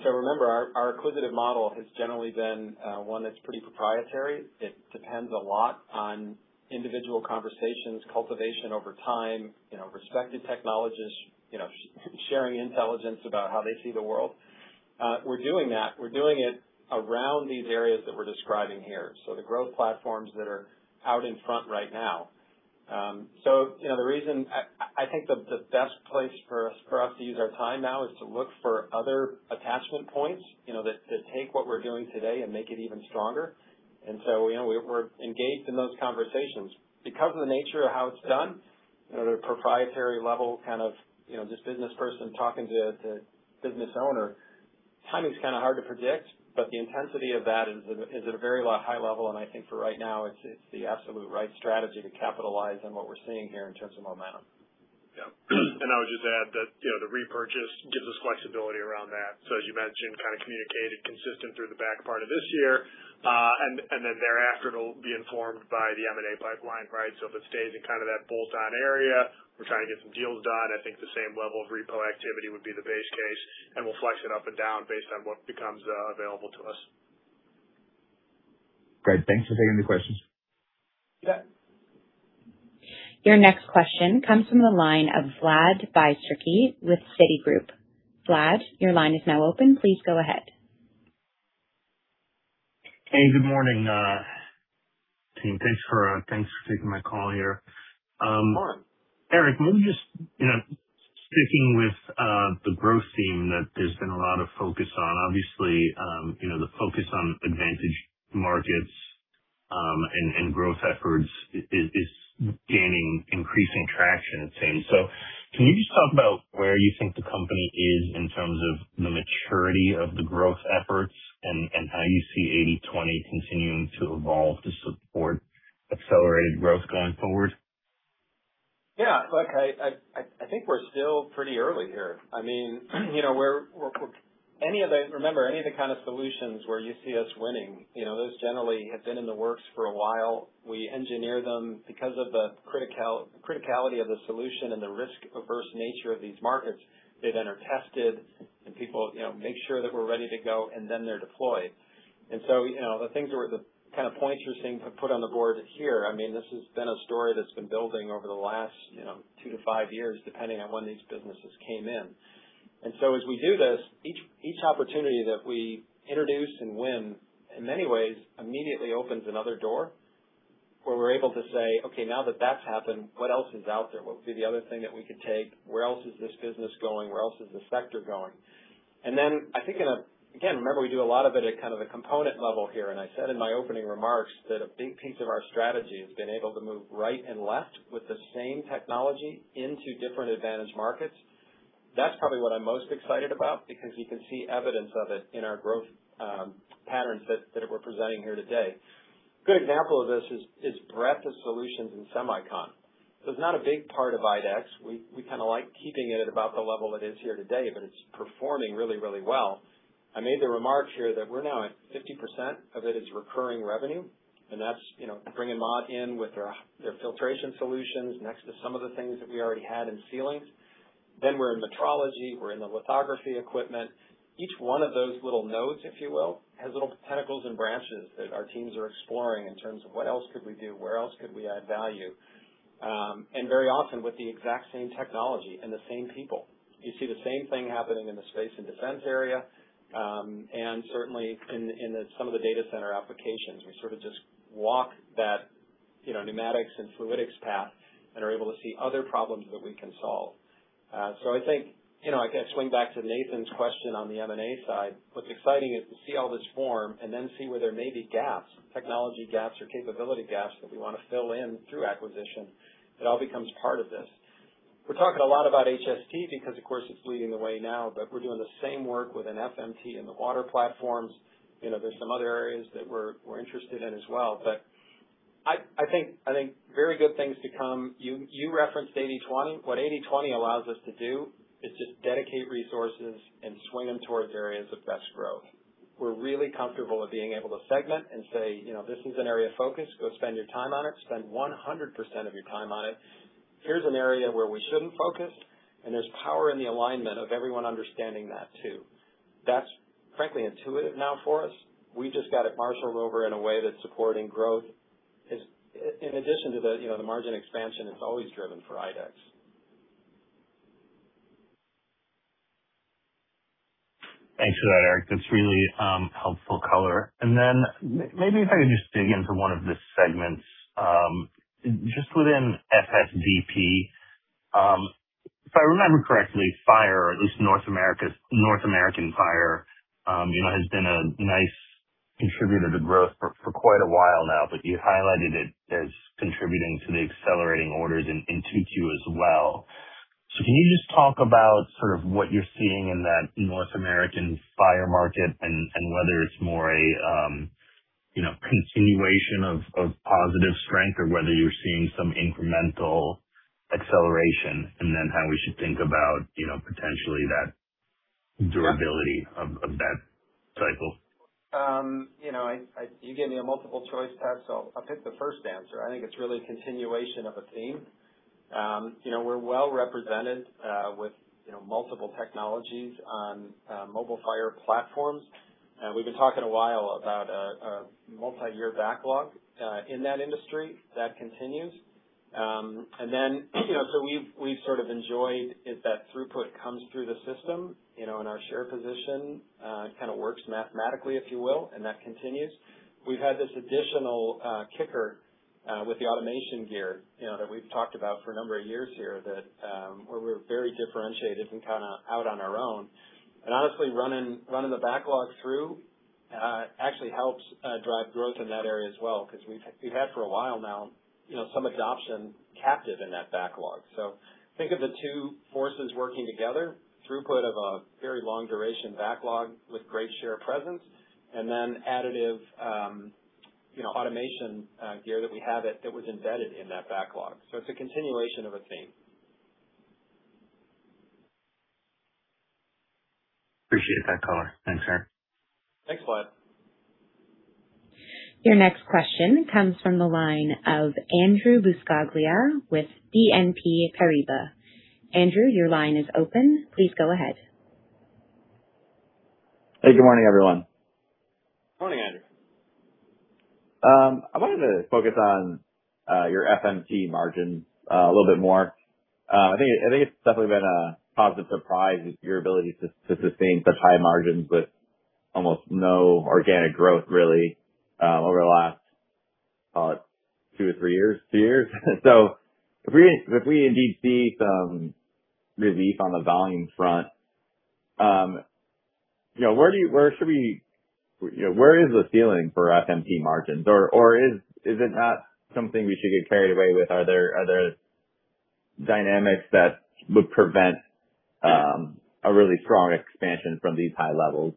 Remember, our acquisitive model has generally been one that's pretty proprietary. It depends a lot on individual conversations, cultivation over time, respected technologists sharing intelligence about how they see the world. We're doing that. We're doing it around these areas that we're describing here. The growth platforms that are out in front right now. I think the best place for us to use our time now is to look for other attachment points that take what we're doing today and make it even stronger. We're engaged in those conversations. Because of the nature of how it's done at a proprietary level, kind of just business person talking to business owner, timing's kind of hard to predict, but the intensity of that is at a very high level, and I think for right now, it's the absolute right strategy to capitalize on what we're seeing here in terms of momentum. Yeah. I would just add that the repurchase gives us flexibility around that. As you mentioned, kind of communicating consistent through the back part of this year. Thereafter, it'll be informed by the M&A pipeline, right? If it stays in kind of that bolt-on area, we're trying to get some deals done. I think the same level of repo activity would be the base case, and we'll flex it up and down based on what becomes available to us. Great. Thanks for taking the questions. Yeah. Your next question comes from the line of Vlad Bystricky with Citigroup. Vlad, your line is now open. Please go ahead. Hey, good morning. Thanks for taking my call here. Of course. Eric, maybe just sticking with the growth theme that there's been a lot of focus on. Obviously, the focus on advantage markets, and growth efforts is gaining increasing traction it seems. Can you just talk about where you think the company is in terms of the maturity of the growth efforts and how you see 80/20 continuing to evolve to support accelerated growth going forward? Yeah. Look, I think we're still pretty early here. Remember, any of the kind of solutions where you see us winning, those generally have been in the works for a while. We engineer them because of the criticality of the solution and the risk-averse nature of these markets. They then are tested and people make sure that we're ready to go, and then they're deployed. The kind of points you're seeing put on the board here, this has been a story that's been building over the last two to five years, depending on when these businesses came in. As we do this, each opportunity that we introduce and win in many ways immediately opens another door. Where we're able to say, Okay, now that that's happened, what else is out there? What would be the other thing that we could take? Where else is this business going? Where else is this sector going? I think, again, remember, we do a lot of it at kind of the component level here, and I said in my opening remarks that a big piece of our strategy has been able to move right and left with the same technology into different advantage markets. That's probably what I'm most excited about because you can see evidence of it in our growth patterns that we're presenting here today. Good example of this is breadth of solutions in semicon. It's not a big part of IDEX. We kind of like keeping it at about the level it is here today, but it's performing really, really well. I made the remark here that we're now at 50% of it is recurring revenue, and that's bringing Mott in with their filtration solutions next to some of the things that we already had in sealing. We're in metrology, we're in the lithography equipment. Each one of those little nodes, if you will, has little tentacles and branches that our teams are exploring in terms of what else could we do, where else could we add value? Very often with the exact same technology and the same people. You see the same thing happening in the space and defense area. Certainly in some of the data center applications. We sort of just walk that pneumatics and fluidics path and are able to see other problems that we can solve. I think I can swing back to Nathan's question on the M&A side. What's exciting is to see all this form and then see where there may be gaps, technology gaps, or capability gaps that we want to fill in through acquisition. It all becomes part of this. We're talking a lot about HST because, of course, it's leading the way now, but we're doing the same work within FMT in the water platforms. There's some other areas that we're interested in as well, but I think very good things to come. You referenced 80/20. What 80/20 allows us to do is just dedicate resources and swing them towards areas of best growth. We're really comfortable with being able to segment and say, This is an area of focus. Go spend your time on it. Spend 100% of your time on it. Here's an area where we shouldn't focus, and there's power in the alignment of everyone understanding that too. That's frankly intuitive now for us. We've just got to marshal over in a way that's supporting growth. In addition to the margin expansion, it's always driven for IDEX. Thanks for that, Eric. That's really helpful color. Maybe if I could just dig into one of the segments. Just within FSDP, if I remember correctly, fire, at least North American fire, has been a nice contributor to growth for quite a while now, but you highlighted it as contributing to the accelerating orders in Q2 as well. Can you just talk about sort of what you're seeing in that North American fire market and whether it's more a continuation of positive strength or whether you're seeing some incremental acceleration, and then how we should think about potentially that durability of that cycle? You gave me a multiple-choice test. I'll pick the first answer. I think it's really a continuation of a theme. We're well-represented with multiple technologies on mobile fire platforms. We've been talking a while about a multiyear backlog in that industry. That continues. We've sort of enjoyed as that throughput comes through the system in our share position. It kind of works mathematically, if you will, and that continues. We've had this additional kicker with the automation gear that we've talked about for a number of years here, where we're very differentiated and kind of out on our own. Honestly, running the backlog through actually helps drive growth in that area as well, because we've had for a while now some adoption captive in that backlog. Think of the two forces working together, throughput of a very long-duration backlog with great share presence and then additive automation gear that we have that was embedded in that backlog. It's a continuation of a theme. Appreciate that color. Thanks, Eric. Thanks, Vlad. Your next question comes from the line of Andrew Buscaglia with BNP Paribas. Andrew, your line is open. Please go ahead. Hey, good morning, everyone. Morning, Andrew. I wanted to focus on your FMT margin a little bit more. I think it's definitely been a positive surprise, your ability to sustain such high margins with almost no organic growth really over the last two or three years. If we indeed see some relief on the volume front, where is the ceiling for FMT margins? Or is it not something we should get carried away with? Are there dynamics that would prevent a really strong expansion from these high levels?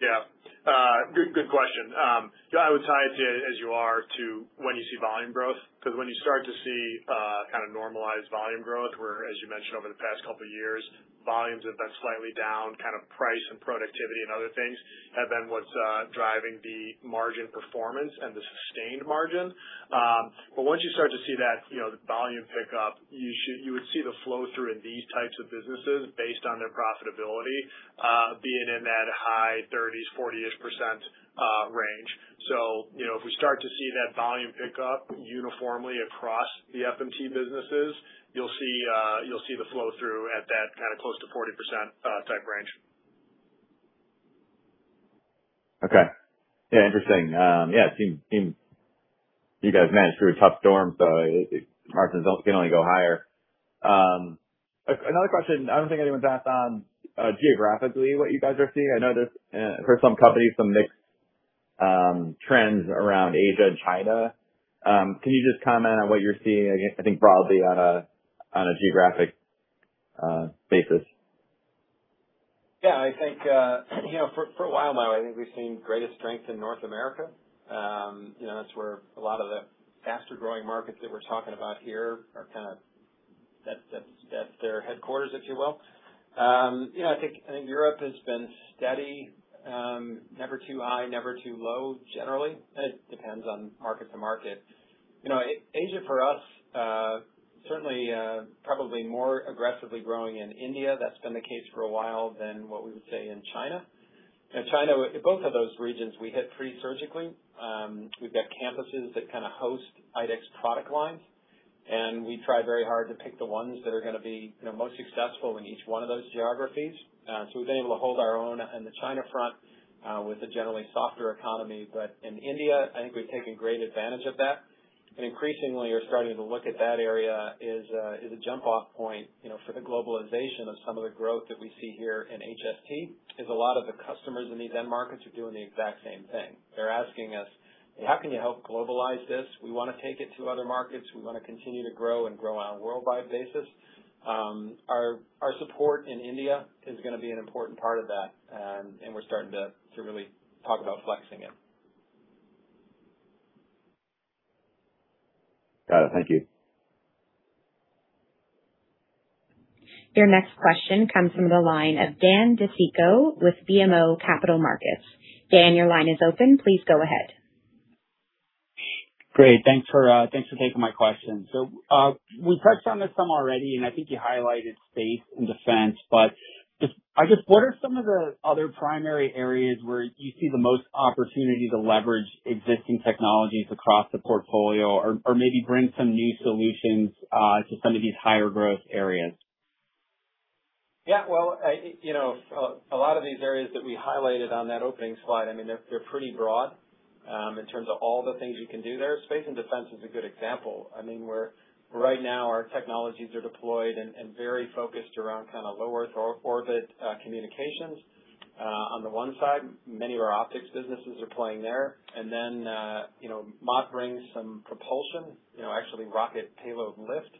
Yeah. Good question. I would tie it to, as you are, to when you see volume growth. Because when you start to see kind of normalized volume growth, where, as you mentioned, over the past couple of years, volumes have been slightly down, kind of price and productivity and other things have been what's driving the margin performance and the sustained margin. Once you start to see that volume pick up, you would see the flow-through in these types of businesses based on their profitability being in that high 30%, 40% range. If we start to see that volume pick up uniformly across the FMT businesses, you'll see the flow-through at that kind of close to 40% type range. Okay. Yeah, interesting. It seems you guys managed through a tough storm, so margins can only go higher. Another question. I don't think anyone touched on geographically what you guys are seeing. I know there's, for some companies, some mixed trends around Asia and China. Can you just comment on what you're seeing, I think broadly on a geographic basis? I think, for a while now, I think we've seen the greatest strength in North America. That's where a lot of the faster-growing markets that we're talking about here, that's their headquarters, if you will. I think Europe has been steady. Never too high, never too low, generally. It depends on market to market. Asia for us, certainly, probably more aggressively growing in India. That's been the case for a while than what we would say in China. In both of those regions, we have strategically. We've got campuses that kind of host IDEX product lines, and we try very hard to pick the ones that are going to be most successful in each one of those geographies. We've been able to hold our own on the China front, with the generally softer economy. In India, I think we've taken great advantage of that. Increasingly, you're starting to look at that area as a jump-off point for the globalization of some of the growth that we see here in HST, is a lot of the customers in these end markets are doing the exact same thing. They're asking us, "How can you help globalize this? We want to take it to other markets. We want to continue to grow and grow on a worldwide basis." Our support in India is going to be an important part of that, and we're starting to really talk about flexing it. Got it. Thank you. Your next question comes from the line of Dan DiCicco with BMO Capital Markets. Dan, your line is open. Please go ahead. Great. Thanks for taking my question. We touched on this some already, I think you highlighted space and defense, but I guess, what are some of the other primary areas where you see the most opportunity to leverage existing technologies across the portfolio or maybe bring some new solutions to some of these higher growth areas? Well, a lot of these areas that we highlighted on that opening slide, they're pretty broad in terms of all the things you can do there. Space and defense is a good example. Right now, our technologies are deployed and very focused around low-earth-orbit communications. On the one side, many of our optics businesses are playing there. Mott brings some propulsion, actually rocket payload lift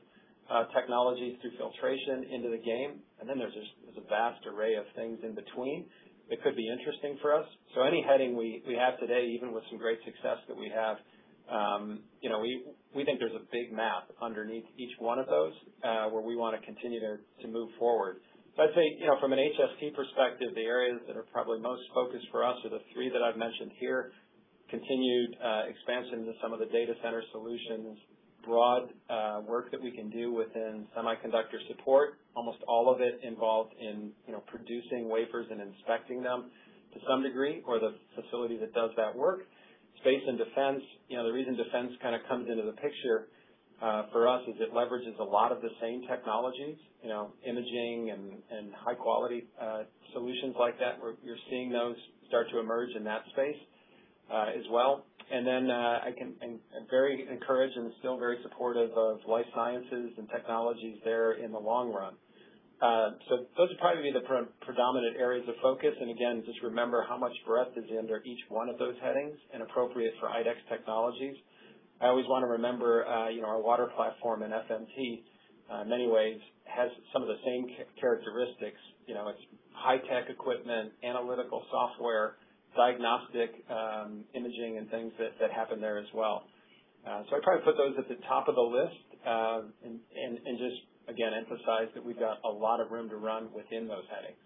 technologies through filtration, into the game. There's a vast array of things in between that could be interesting for us. Any heading we have today, even with some great success that we have, we think there's a big map underneath each one of those, where we want to continue to move forward. I'd say from an HST perspective, the areas that are probably most focused for us are the three that I've mentioned here. Continued expansion into some of the data center solutions. Broad work that we can do within semiconductor support. Almost all of it involved in producing wafers and inspecting them to some degree, or the facility that does that work. Space and defense. The reason defense kind of comes into the picture for us is it leverages a lot of the same technologies. Imaging and high-quality solutions like that, we're seeing those start to emerge in that space as well. I'm very encouraged and still very supportive of life sciences and technologies there in the long run. Those are probably the predominant areas of focus. Again, just remember how much breadth is under each one of those headings and appropriate for IDEX technologies. I always want to remember our water platform in FMT, in many ways has some of the same characteristics. It's high-tech equipment, analytical software, diagnostic imaging, and things that happen there as well. I try to put those at the top of the list. Just again, emphasize that we've got a lot of room to run within those headings.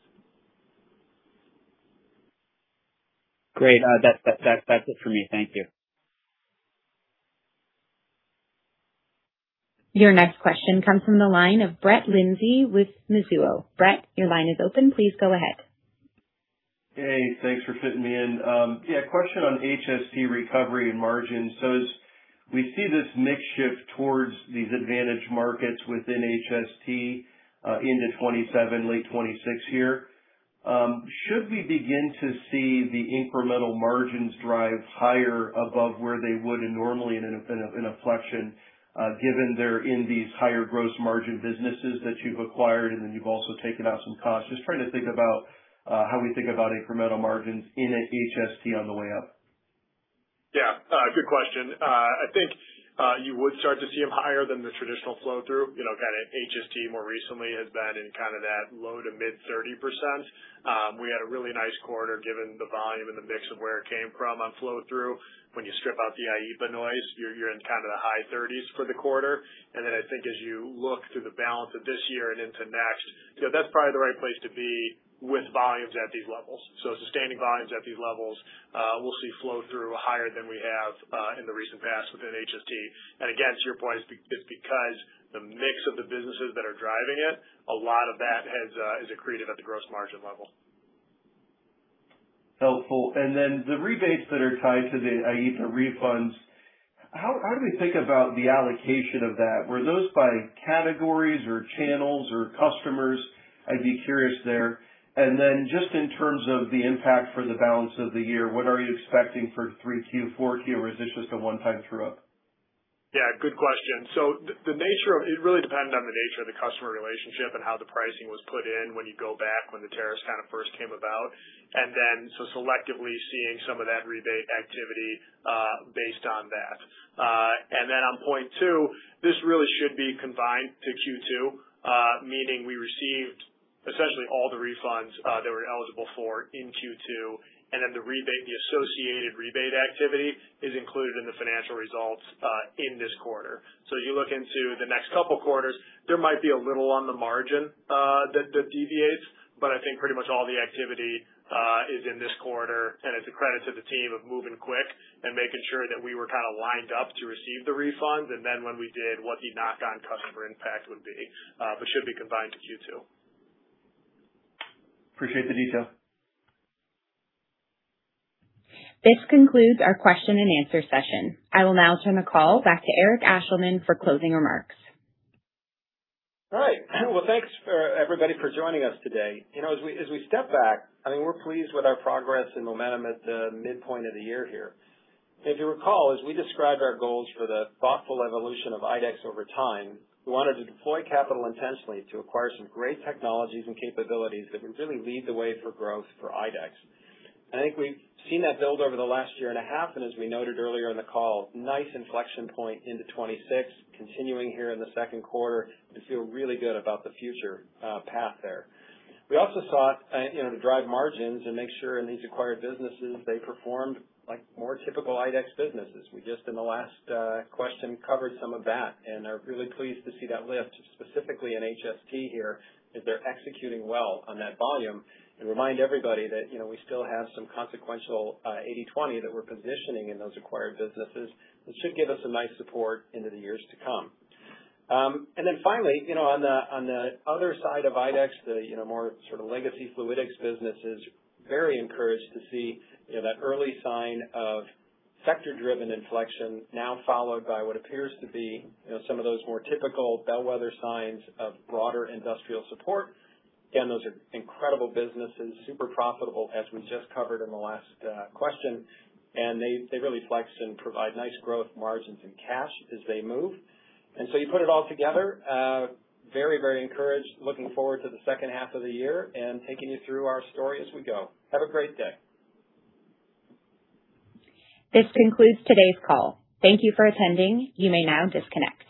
Great. That's it for me. Thank you. Your next question comes from the line of Brett Linzey with Mizuho. Brett, your line is open. Please go ahead. Hey, thanks for fitting me in. A question on HST recovery and margins. As we see this mix shift towards these advantage markets within HST into 2027, late 2026 here, should we begin to see the incremental margins drive higher above where they would normally in an inflection, given they're in these higher gross margin businesses that you've acquired and then you've also taken out some costs? Just trying to think about how we think about incremental margins in HST on the way up. Good question. I think you would start to see them higher than the traditional flow-through. HST more recently has been in that low- to mid-30%. We had a really nice quarter given the volume and the mix of where it came from on flow-through. When you strip out the IEEPA noise, you're in the high 30% for the quarter. I think as you look through the balance of this year and into next, that's probably the right place to be with volumes at these levels. Sustaining volumes at these levels, we'll see flow-through higher than we have in the recent past within HST. Again, to your point, it's because the mix of the businesses that are driving it, a lot of that has accreted at the gross margin level. Helpful. The rebates that are tied to the IEEPA refunds, how do we think about the allocation of that? Were those by categories or channels or customers? I'd be curious there. Just in terms of the impact for the balance of the year, what are you expecting for 3Q, 4Q, or is this just a one-time true-up? Yeah, good question. It really depended on the nature of the customer relationship and how the pricing was put in when you go back, when the tariffs kind of first came about, selectively seeing some of that rebate activity based on that. On point two, this really should be confined to Q2, meaning we received essentially all the refunds that we're eligible for in Q2, and the associated rebate activity is included in the financial results in this quarter. You look into the next couple of quarters; there might be a little on the margin that deviates. I think pretty much all the activity is in this quarter, and it's a credit to the team of moving quick and making sure that we were kind of lined up to receive the refunds when we did, and what the knock-on customer impact would be. Should be confined to Q2. Appreciate the detail. This concludes our question and answer session. I will now turn the call back to Eric Ashleman for closing remarks. Well, thanks, everybody, for joining us today. As we step back, I mean, we're pleased with our progress and momentum at the midpoint of the year here. If you recall, as we described our goals for the thoughtful evolution of IDEX over time, we wanted to deploy capital intentionally to acquire some great technologies and capabilities that would really lead the way for growth for IDEX. I think we've seen that build over the last year and a half, as we noted earlier in the call, nice inflection point into 2026, continuing here in the second quarter to feel really good about the future path there. We also sought to drive margins and make sure in these acquired businesses they performed like more typical IDEX businesses. We just, in the last question, covered some of that and are really pleased to see that lift, specifically in HST here, as they're executing well on that volume, remind everybody that we still have some consequential 80/20 that we're positioning in those acquired businesses that should give us a nice support into the years to come. Finally, on the other side of IDEX, the more sort of legacy Fluidics business is very encouraged to see that early sign of sector-driven inflection now followed by what appears to be some of those more typical bellwether signs of broader industrial support. Again, those are incredible businesses, super profitable, as we just covered in the last question, they really flex and provide nice growth margins and cash as they move. You put it all together, very encouraged, looking forward to the second half of the year and taking you through our story as we go. Have a great day. This concludes today's call. Thank you for attending. You may now disconnect.